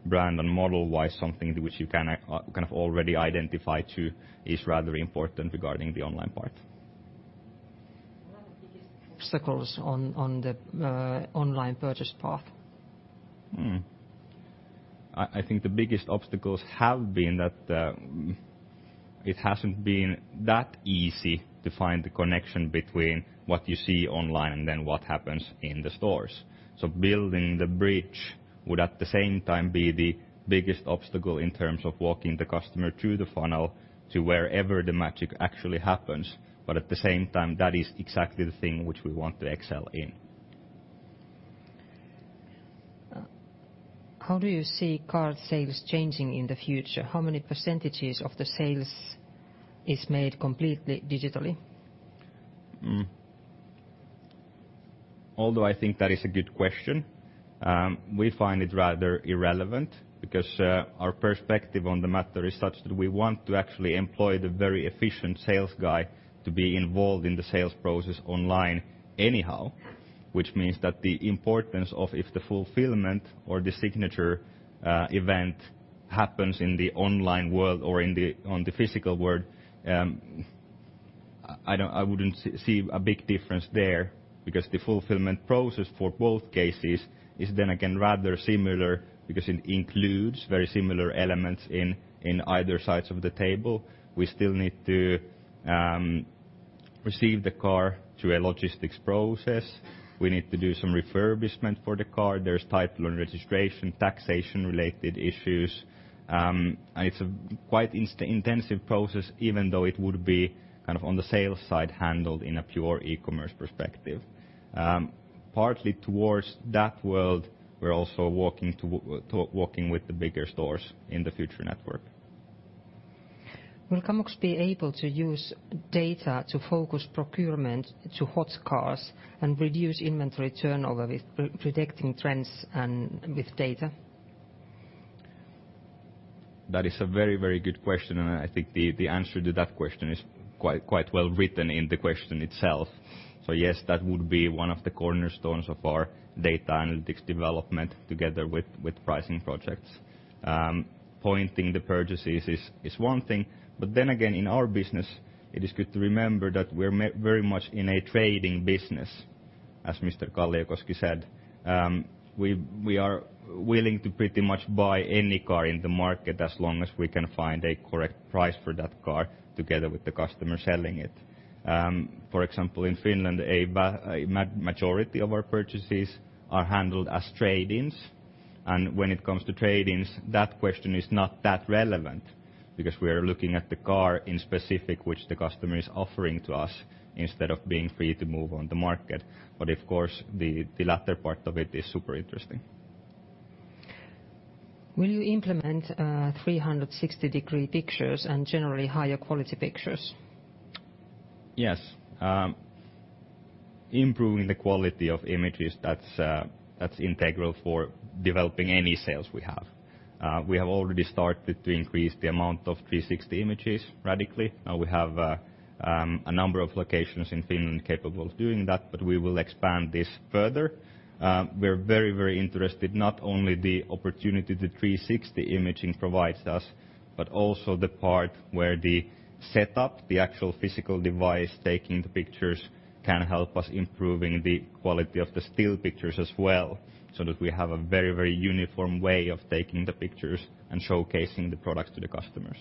brand and model-wise, something which you can kind of already identify too, is rather important regarding the online part. obstacles on the online purchase path? I think the biggest obstacles have been that it hasn't been that easy to find the connection between what you see online and then what happens in the stores. Building the bridge would at the same time be the biggest obstacle in terms of walking the customer through the funnel to wherever the magic actually happens. At the same time, that is exactly the thing which we want to excel in. How do you see car sales changing in the future? How many percentages of the sales is made completely digitally? Although I think that is a good question, we find it rather irrelevant because our perspective on the matter is such that we want to actually employ the very efficient sales guy to be involved in the sales process online anyhow. The importance of if the fulfillment or the signature event happens in the online world or on the physical world, I wouldn't see a big difference there because the fulfillment process for both cases is then again rather similar because it includes very similar elements in either sides of the table. We still need to receive the car through a logistics process. We need to do some refurbishment for the car. There's title and registration, taxation-related issues. It's a quite intensive process, even though it would be on the sales side handled in a pure e-commerce perspective. Partly towards that world, we're also working with the bigger stores in the future network. Will Kamux be able to use data to focus procurement to hot cars and reduce inventory turnover with predicting trends and with data? That is a very good question. I think the answer to that question is quite well-written in the question itself. Yes, that would be one of the cornerstones of our data analytics development together with pricing projects. Pointing the purchases is one thing, then again in our business it is good to remember that we're very much in a trading business, as Mr. Kalliokoski said. We are willing to pretty much buy any car in the market as long as we can find a correct price for that car together with the customer selling it. For example, in Finland, a majority of our purchases are handled as trade-ins. When it comes to trade-ins, that question is not that relevant because we are looking at the car in specific which the customer is offering to us instead of being free to move on the market. Of course, the latter part of it is super interesting. Will you implement 360-degree pictures and generally higher quality pictures? Yes. Improving the quality of images, that's integral for developing any sales we have. We have already started to increase the amount of 360-degree images radically. Now we have a number of locations in Finland capable of doing that, but we will expand this further. We're very interested not only the opportunity the 360-degree imaging provides us, but also the part where the setup, the actual physical device taking the pictures can help us improving the quality of the still pictures as well, so that we have a very uniform way of taking the pictures and showcasing the products to the customers.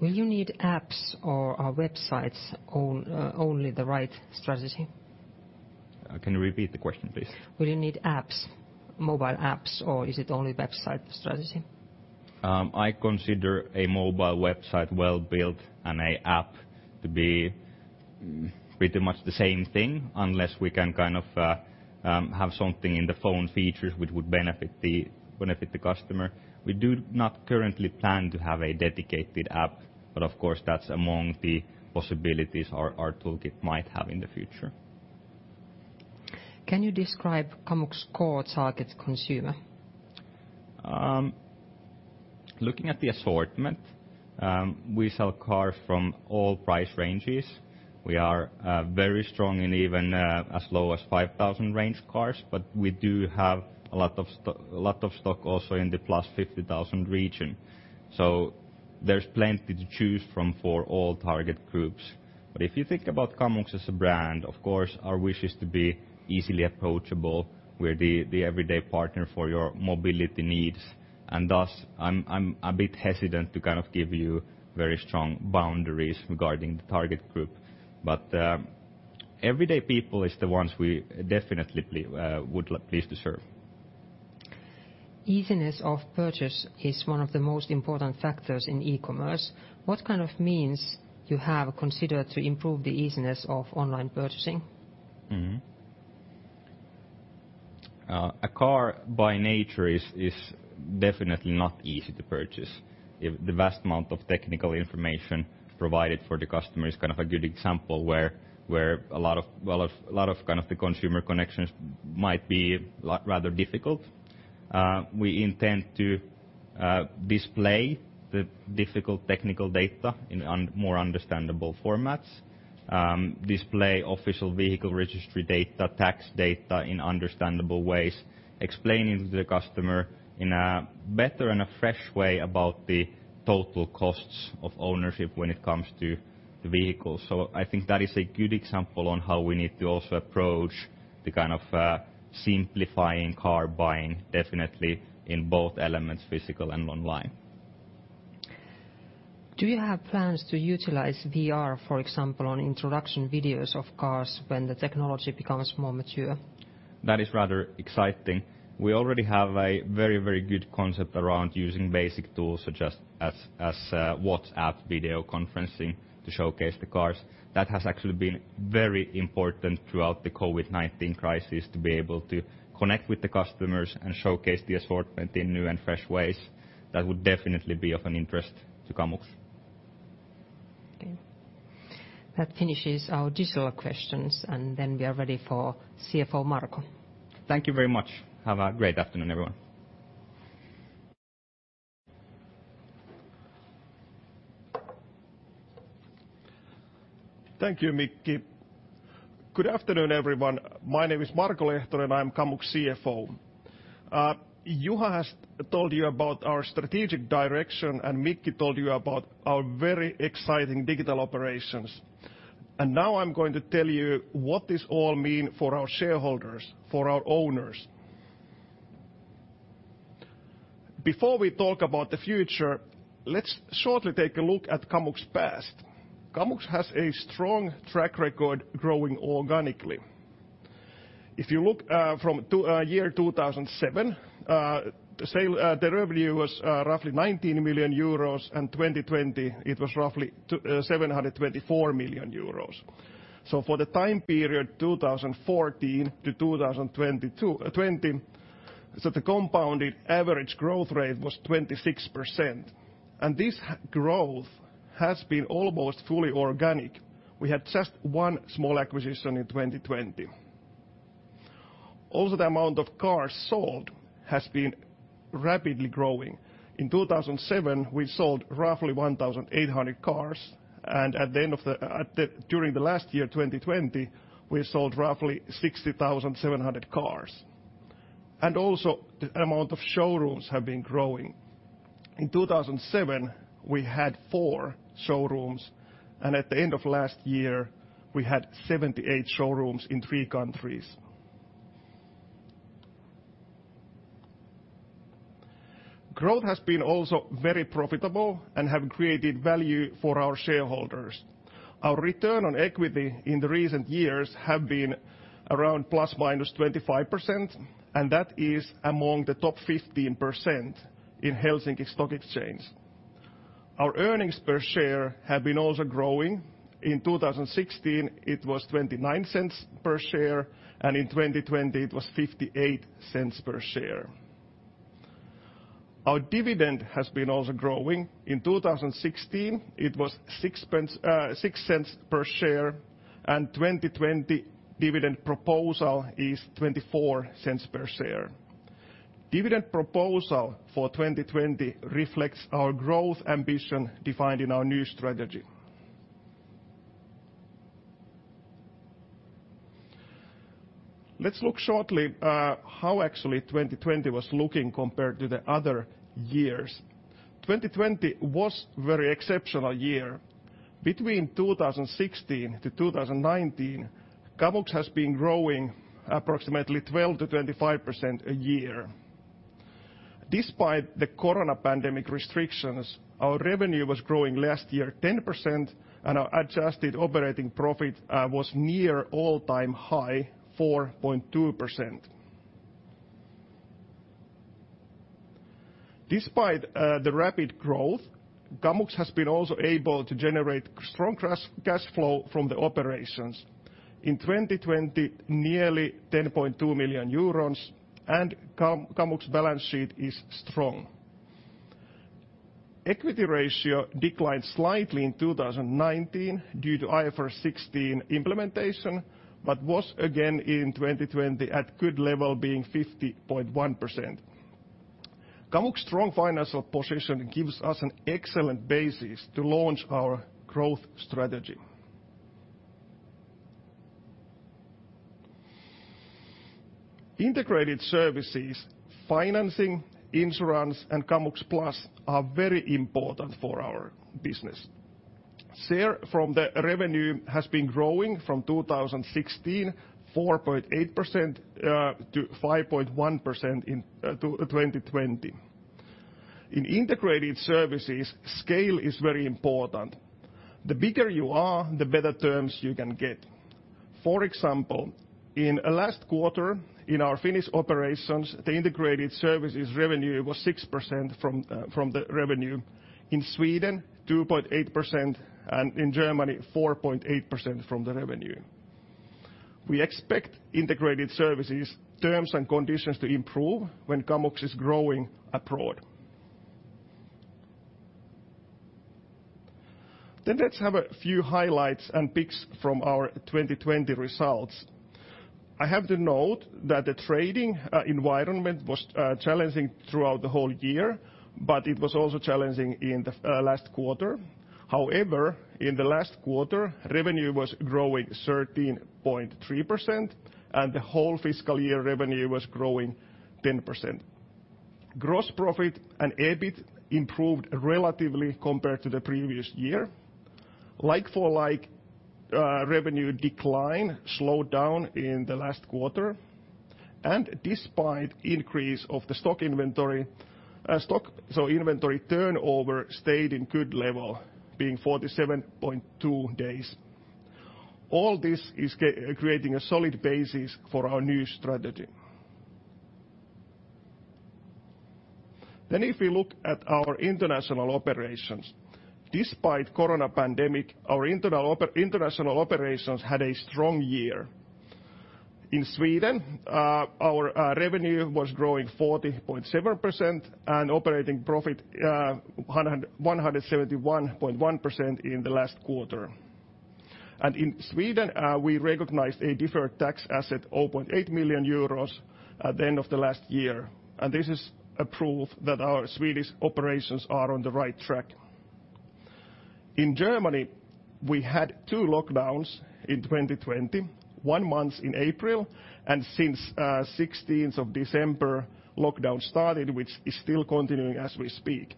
Will you need apps or are websites only the right strategy? Can you repeat the question, please? Will you need apps, mobile apps, or is it only website strategy? I consider a mobile website well-built and a app to be pretty much the same thing, unless we can have something in the phone features which would benefit the customer. We do not currently plan to have a dedicated app, of course, that's among the possibilities our toolkit might have in the future. Can you describe Kamux's core target consumer? Looking at the assortment, we sell cars from all price ranges. We are very strong in even as low as 5,000 range cars, but we do have a lot of stock also in the +50,000 region. There's plenty to choose from for all target groups. If you think about Kamux as a brand, of course our wish is to be easily approachable with the everyday partner for your mobility needs. Thus, I'm a bit hesitant to give you very strong boundaries regarding the target group. Everyday people is the ones we definitely would like pleased to serve. Easiness of purchase is one of the most important factors in e-commerce. What kind of means you have considered to improve the easiness of online purchasing? A car by nature is definitely not easy to purchase. The vast amount of technical information provided for the customer is a good example where a lot of the consumer connections might be rather difficult. We intend to display the difficult technical data in more understandable formats display official vehicle registry data, tax data in understandable ways, explaining to the customer in a better and a fresh way about the total costs of ownership when it comes to the vehicle. I think that is a good example on how we need to also approach the kind of simplifying car buying, definitely in both elements, physical and online. Do you have plans to utilize VR, for example, on introduction videos of cars when the technology becomes more mature? That is rather exciting. We already have a very good concept around using basic tools, such as WhatsApp video conferencing to showcase the cars. That has actually been very important throughout the COVID-19 crisis to be able to connect with the customers and showcase the assortment in new and fresh ways. That would definitely be of an interest to Kamux. Okay. That finishes our digital questions. We are ready for CFO Marko. Thank you very much. Have a great afternoon, everyone. Thank you, Mikki. Good afternoon, everyone. My name is Marko Lehtonen, and I'm Kamux CFO. Juha has told you about our strategic direction, and Mikki told you about our very exciting digital operations. Now I'm going to tell you what this all mean for our shareholders, for our owners. Before we talk about the future, let's shortly take a look at Kamux's past. Kamux has a strong track record growing organically. If you look from year 2007, the revenue was roughly 19 million euros, and 2020 it was roughly 724 million euros. For the time period 2014-2020, the compounding average growth rate was 26%, and this growth has been almost fully organic. We had just one small acquisition in 2020. Also, the amount of cars sold has been rapidly growing. In 2007, we sold roughly 1,800 cars, and during the last year, 2020, we sold roughly 60,700 cars. Also, the amount of showrooms have been growing. In 2007, we had four showrooms, and at the end of last year, we had 78 showrooms in three countries. Growth has been also very profitable and have created value for our shareholders. Our return on equity in the recent years have been around ±25%, and that is among the top 15% in Helsinki Stock Exchange. Our earnings per share have been also growing. In 2016 it was 0.29 per share, and in 2020 it was 0.58 per share. Our dividend has been also growing. In 2016 it was 0.06 per share, and 2020 dividend proposal is 0.24 per share. Dividend proposal for 2020 reflects our growth ambition defined in our new strategy. Let's look shortly how actually 2020 was looking compared to the other years. 2020 was very exceptional year. Between 2016-2019, Kamux has been growing approximately 12%-25% a year. Despite the COVID-19 pandemic restrictions, our revenue was growing last year 10%, and our adjusted operating profit was near all-time high, 4.2%. Despite the rapid growth, Kamux has been also able to generate strong cash flow from the operations. In 2020, nearly 10.2 million euros, and Kamux balance sheet is strong. Equity ratio declined slightly in 2019 due to IFRS 16 implementation, but was again in 2020 at good level, being 50.1%. Kamux strong financial position gives us an excellent basis to launch our growth strategy. Integrated services, financing, insurance, and Kamux Plus are very important for our business. Share from the revenue has been growing from 2016, 4.8%-5.1% in 2020. In integrated services, scale is very important. The bigger you are, the better terms you can get. For example, in last quarter in our Finnish operations, the integrated services revenue was 6% from the revenue. In Sweden, 2.8%, and in Germany, 4.8% from the revenue. We expect integrated services terms and conditions to improve when Kamux is growing abroad. Let's have a few highlights and picks from our 2020 results. I have to note that the trading environment was challenging throughout the whole year, but it was also challenging in the last quarter. However, in the last quarter, revenue was growing 13.3%, and the whole fiscal year revenue was growing 10%. Gross profit and EBIT improved relatively compared to the previous year. Like-for-like revenue decline slowed down in the last quarter, and despite increase of the stock inventory turnover stayed in good level, being 47.2 days. All this is creating a solid basis for our new strategy. If we look at our international operations. Despite COVID-19 pandemic, our international operations had a strong year. In Sweden, our revenue was growing 40.7% and operating profit 171.1% in the last quarter. In Sweden, we recognized a deferred tax asset, 0.8 million euros at the end of the last year. This is a proof that our Swedish operations are on the right track. In Germany, we had two lockdowns in 2020, one month in April, and since 16th of December, lockdown started, which is still continuing as we speak.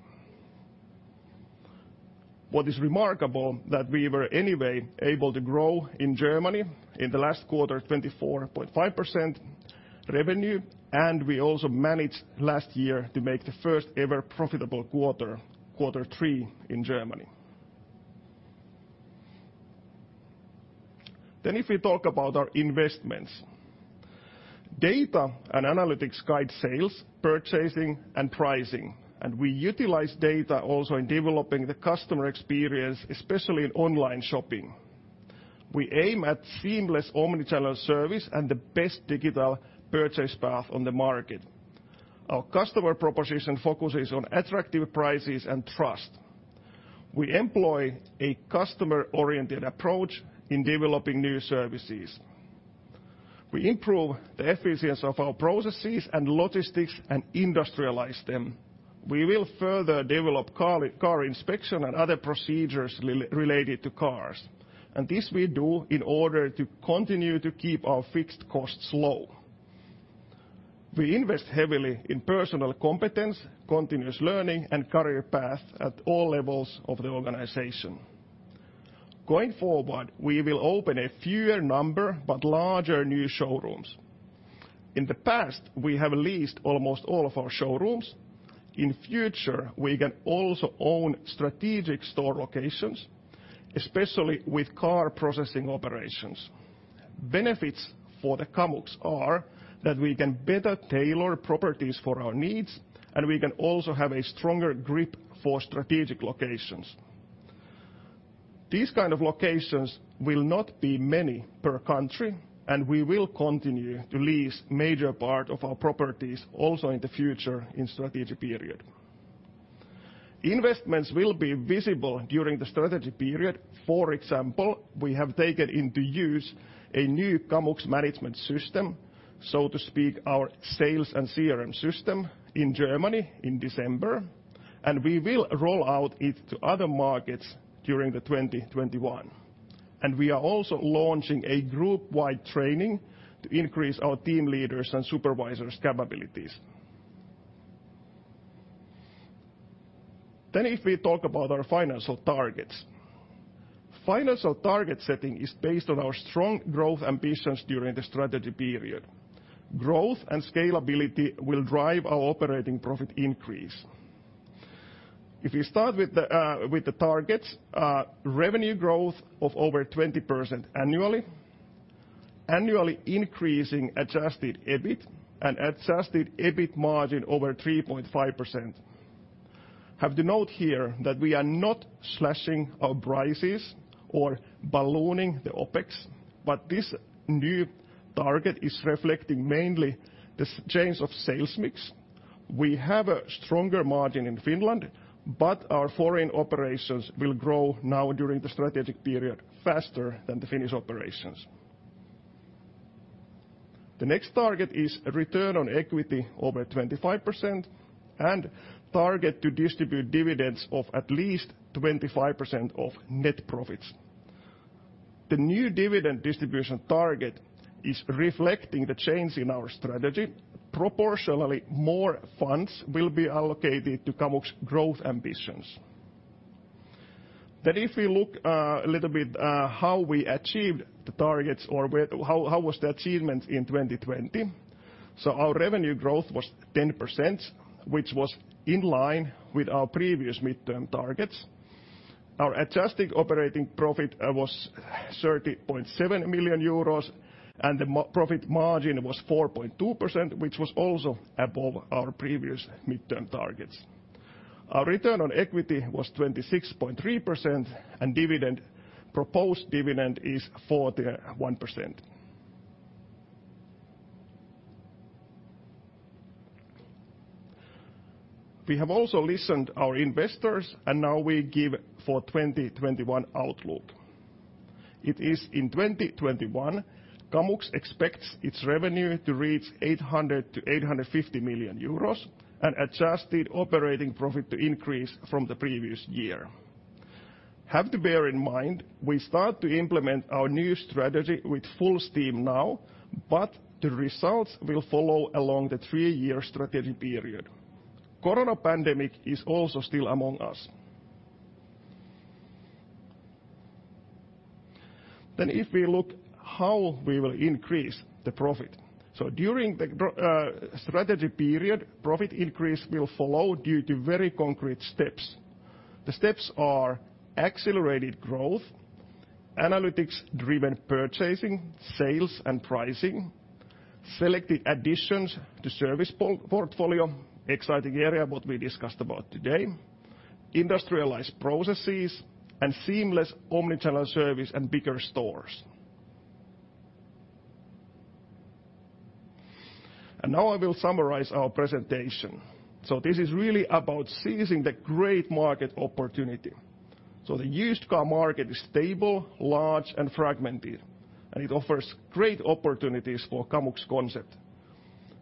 What is remarkable, that we were anyway able to grow in Germany in the last quarter 24.5% revenue, and we also managed last year to make the first ever profitable quarter three in Germany. If we talk about our investments. Data and analytics guide sales, purchasing and pricing. We utilize data also in developing the customer experience, especially in online shopping. We aim at seamless omnichannel service and the best digital purchase path on the market. Our customer proposition focuses on attractive prices and trust. We employ a customer-oriented approach in developing new services. We improve the efficiency of our processes and logistics and industrialize them. We will further develop car inspection and other procedures related to cars. This we do in order to continue to keep our fixed costs low. We invest heavily in personal competence, continuous learning, and career path at all levels of the organization. Going forward, we will open a fewer number, but larger new showrooms. In the past, we have leased almost all of our showrooms. In future, we can also own strategic store locations, especially with car processing operations. Benefits for Kamux are that we can better tailor properties for our needs, and we can also have a stronger grip for strategic locations. These kind of locations will not be many per country, and we will continue to lease major part of our properties also in the future in strategy period. Investments will be visible during the strategy period. For example, we have taken into use a new Kamux Management System, so to speak, our sales and CRM system in Germany in December. We will roll out it to other markets during 2021. We are also launching a group-wide training to increase our team leaders and supervisors' capabilities. If we talk about our financial targets. Financial target setting is based on our strong growth ambitions during the strategy period. Growth and scalability will drive our operating profit increase. If you start with the targets, revenue growth of over 20% annually increasing adjusted EBIT and adjusted EBIT margin over 3.5%. We have to note here that we are not slashing our prices or ballooning the OpEx, but this new target is reflecting mainly this change of sales mix. We have a stronger margin in Finland, but our foreign operations will grow now during the strategic period faster than the Finnish operations. The next target is a return on equity over 25% and target to distribute dividends of at least 25% of net profits. The new dividend distribution target is reflecting the change in our strategy. Proportionally more funds will be allocated to Kamux growth ambitions. If we look a little bit how we achieved the targets or how was the achievement in 2020. Our revenue growth was 10%, which was in line with our previous midterm targets. Our adjusted operating profit was 30.7 million euros, and the profit margin was 4.2%, which was also above our previous midterm targets. Our return on equity was 26.3% and proposed dividend is 41%. We have also listened our investors, Now we give for 2021 outlook. In 2021, Kamux expects its revenue to reach 800 million-850 million euros and adjusted operating profit to increase from the previous year. We have to bear in mind, we start to implement our new strategy with full steam now, but the results will follow along the three-year strategy period. Corona pandemic is also still among us. If we look how we will increase the profit. During the strategy period, profit increase will follow due to very concrete steps. The steps are accelerated growth, analytics driven purchasing, sales and pricing, selected additions to service portfolio, exciting area, what we discussed about today, industrialized processes and seamless omnichannel service and bigger stores. Now I will summarize our presentation. This is really about seizing the great market opportunity. The used car market is stable, large and fragmented, and it offers great opportunities for Kamux concept.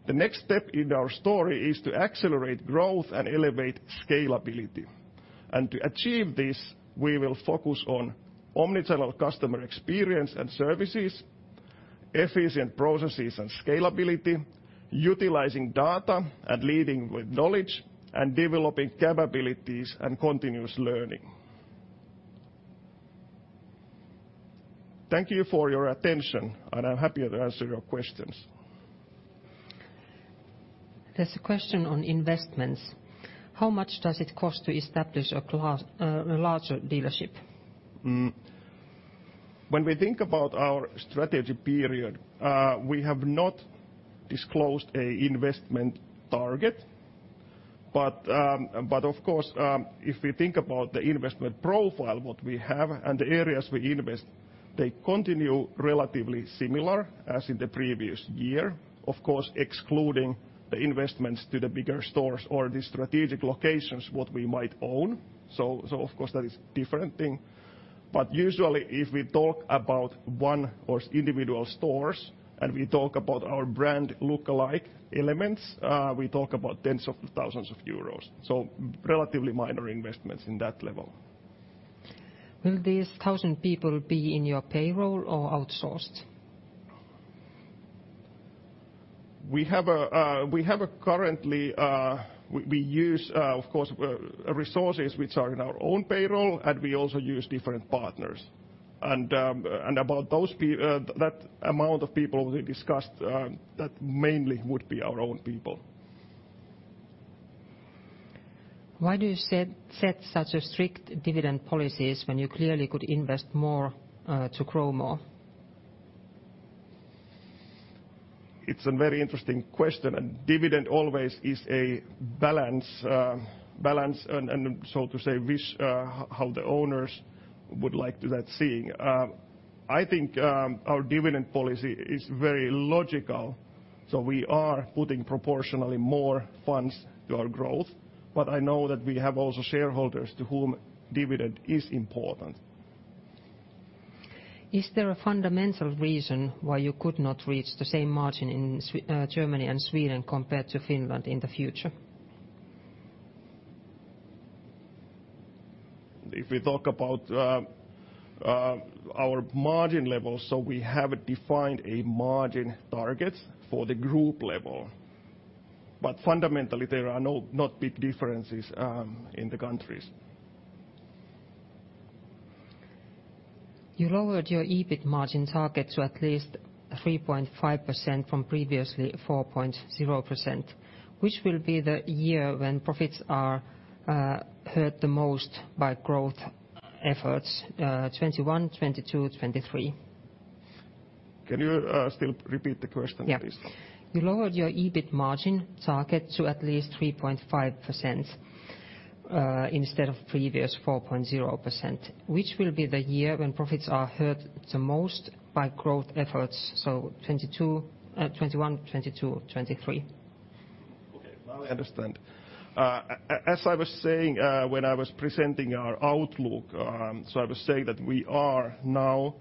The next step in our story is to accelerate growth and elevate scalability. To achieve this, we will focus on omnichannel customer experience and services, efficient processes and scalability, utilizing data and leading with knowledge, and developing capabilities and continuous learning. Thank you for your attention, and I'm happy to answer your questions. There's a question on investments. How much does it cost to establish a larger dealership? When we think about our strategy period, we have not disclosed an investment target. Of course, if we think about the investment profile, what we have and the areas we invest, they continue relatively similar as in the previous year. Of course, excluding the investments to the bigger stores or the strategic locations, what we might own. Of course, that is different thing. Usually, if we talk about one or individual stores and we talk about our brand lookalike elements, we talk about tens of thousands of EUR. Relatively minor investments in that level. Will these 1,000 people be in your payroll or outsourced? Currently, we use, of course, resources which are in our own payroll, and we also use different partners. About that amount of people we discussed, that mainly would be our own people. Why do you set such a strict dividend policies when you clearly could invest more to grow more? It's a very interesting question, and dividend always is a balance, and so to say, how the owners would like to that seeing. I think our dividend policy is very logical, so we are putting proportionally more funds to our growth. I know that we have also shareholders to whom dividend is important. Is there a fundamental reason why you could not reach the same margin in Germany and Sweden compared to Finland in the future? If we talk about our margin levels, we have defined a margin target for the group level. Fundamentally, there are not big differences in the countries. You lowered your EBIT margin target to at least 3.5% from previously 4.0%, which will be the year when profits are hurt the most by growth efforts, 2021, 2022, 2023? Can you still repeat the question, please? Yeah. You lowered your EBIT margin target to at least 3.5% instead of previous 4.0%, which will be the year when profits are hurt the most by growth efforts, 2021, 2022, 2023? Okay. Now I understand. As I was saying when I was presenting our outlook, I was saying that we are now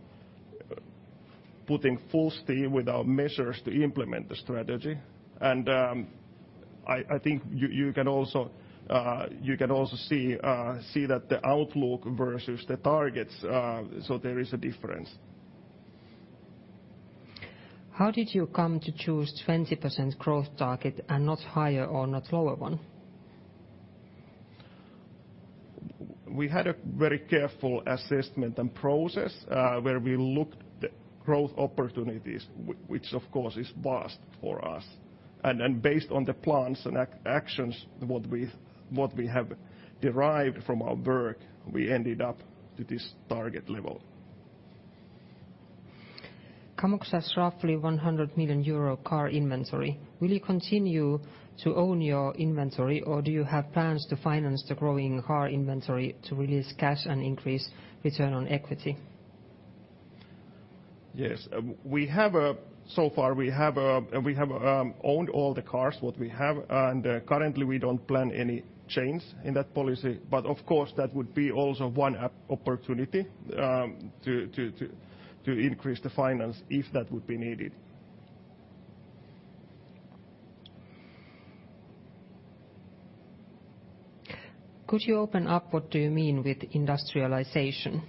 putting full steam with our measures to implement the strategy. I think you can also see that the outlook versus the targets, there is a difference. How did you come to choose 20% growth target and not higher or not lower one? We had a very careful assessment and process where we looked the growth opportunities, which of course is vast for us. Based on the plans and actions what we have derived from our work, we ended up to this target level. Kamux has roughly 100 million euro car inventory. Will you continue to own your inventory, or do you have plans to finance the growing car inventory to release cash and increase return on equity? Yes. Far, we have owned all the cars what we have, and currently we don't plan any change in that policy. Of course, that would be also one opportunity to increase the finance if that would be needed. Could you open up what do you mean with industrialization?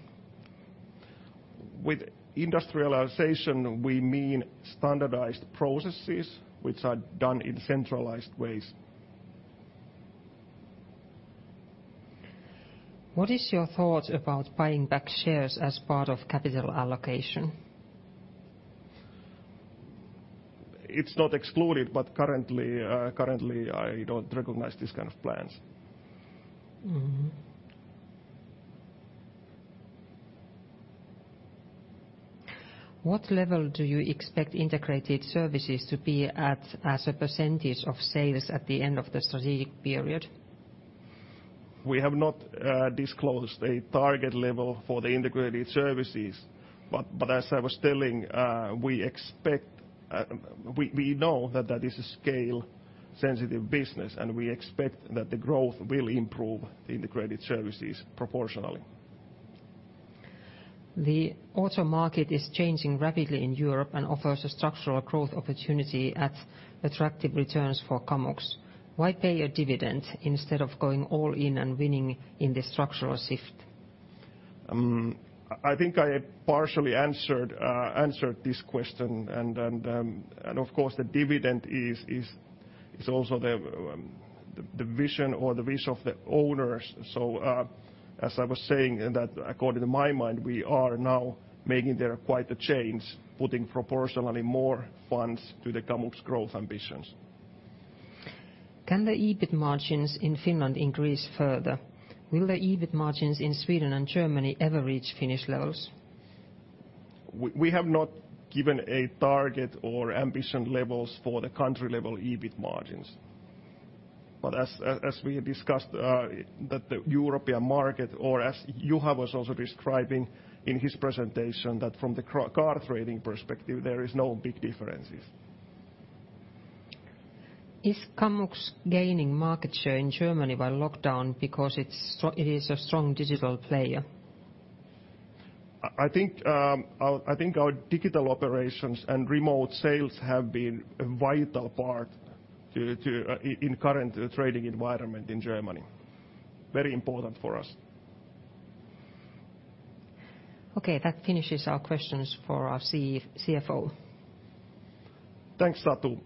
With industrialization, we mean standardized processes which are done in centralized ways. What is your thoughts about buying back shares as part of capital allocation? It's not excluded, but currently, I don't recognize this kind of plans. What level do you expect integrated services to be at as a percentage of sales at the end of the strategic period? We have not disclosed a target level for the integrated services. As I was telling, we know that that is a scale sensitive business, and we expect that the growth will improve the integrated services proportionally. The auto market is changing rapidly in Europe and offers a structural growth opportunity at attractive returns for Kamux. Why pay a dividend instead of going all in and winning in this structural shift? I think I partially answered this question, and of course, the dividend is also the vision or the wish of the owners. As I was saying, that according to my mind, we are now making there quite a change, putting proportionally more funds to the Kamux growth ambitions. Can the EBIT margins in Finland increase further? Will the EBIT margins in Sweden and Germany ever reach Finnish levels? We have not given a target or ambition levels for the country level EBIT margins. As we discussed, that the European market, or as Juha was also describing in his presentation, that from the car trading perspective, there is no big differences. Is Kamux gaining market share in Germany while lockdown because it is a strong digital player? I think our digital operations and remote sales have been a vital part in current trading environment in Germany. Very important for us. Okay, that finishes our questions for our CFO. Thanks, Satu.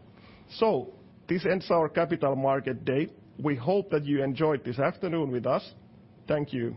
This ends our Capital Markets Day. We hope that you enjoyed this afternoon with us. Thank you.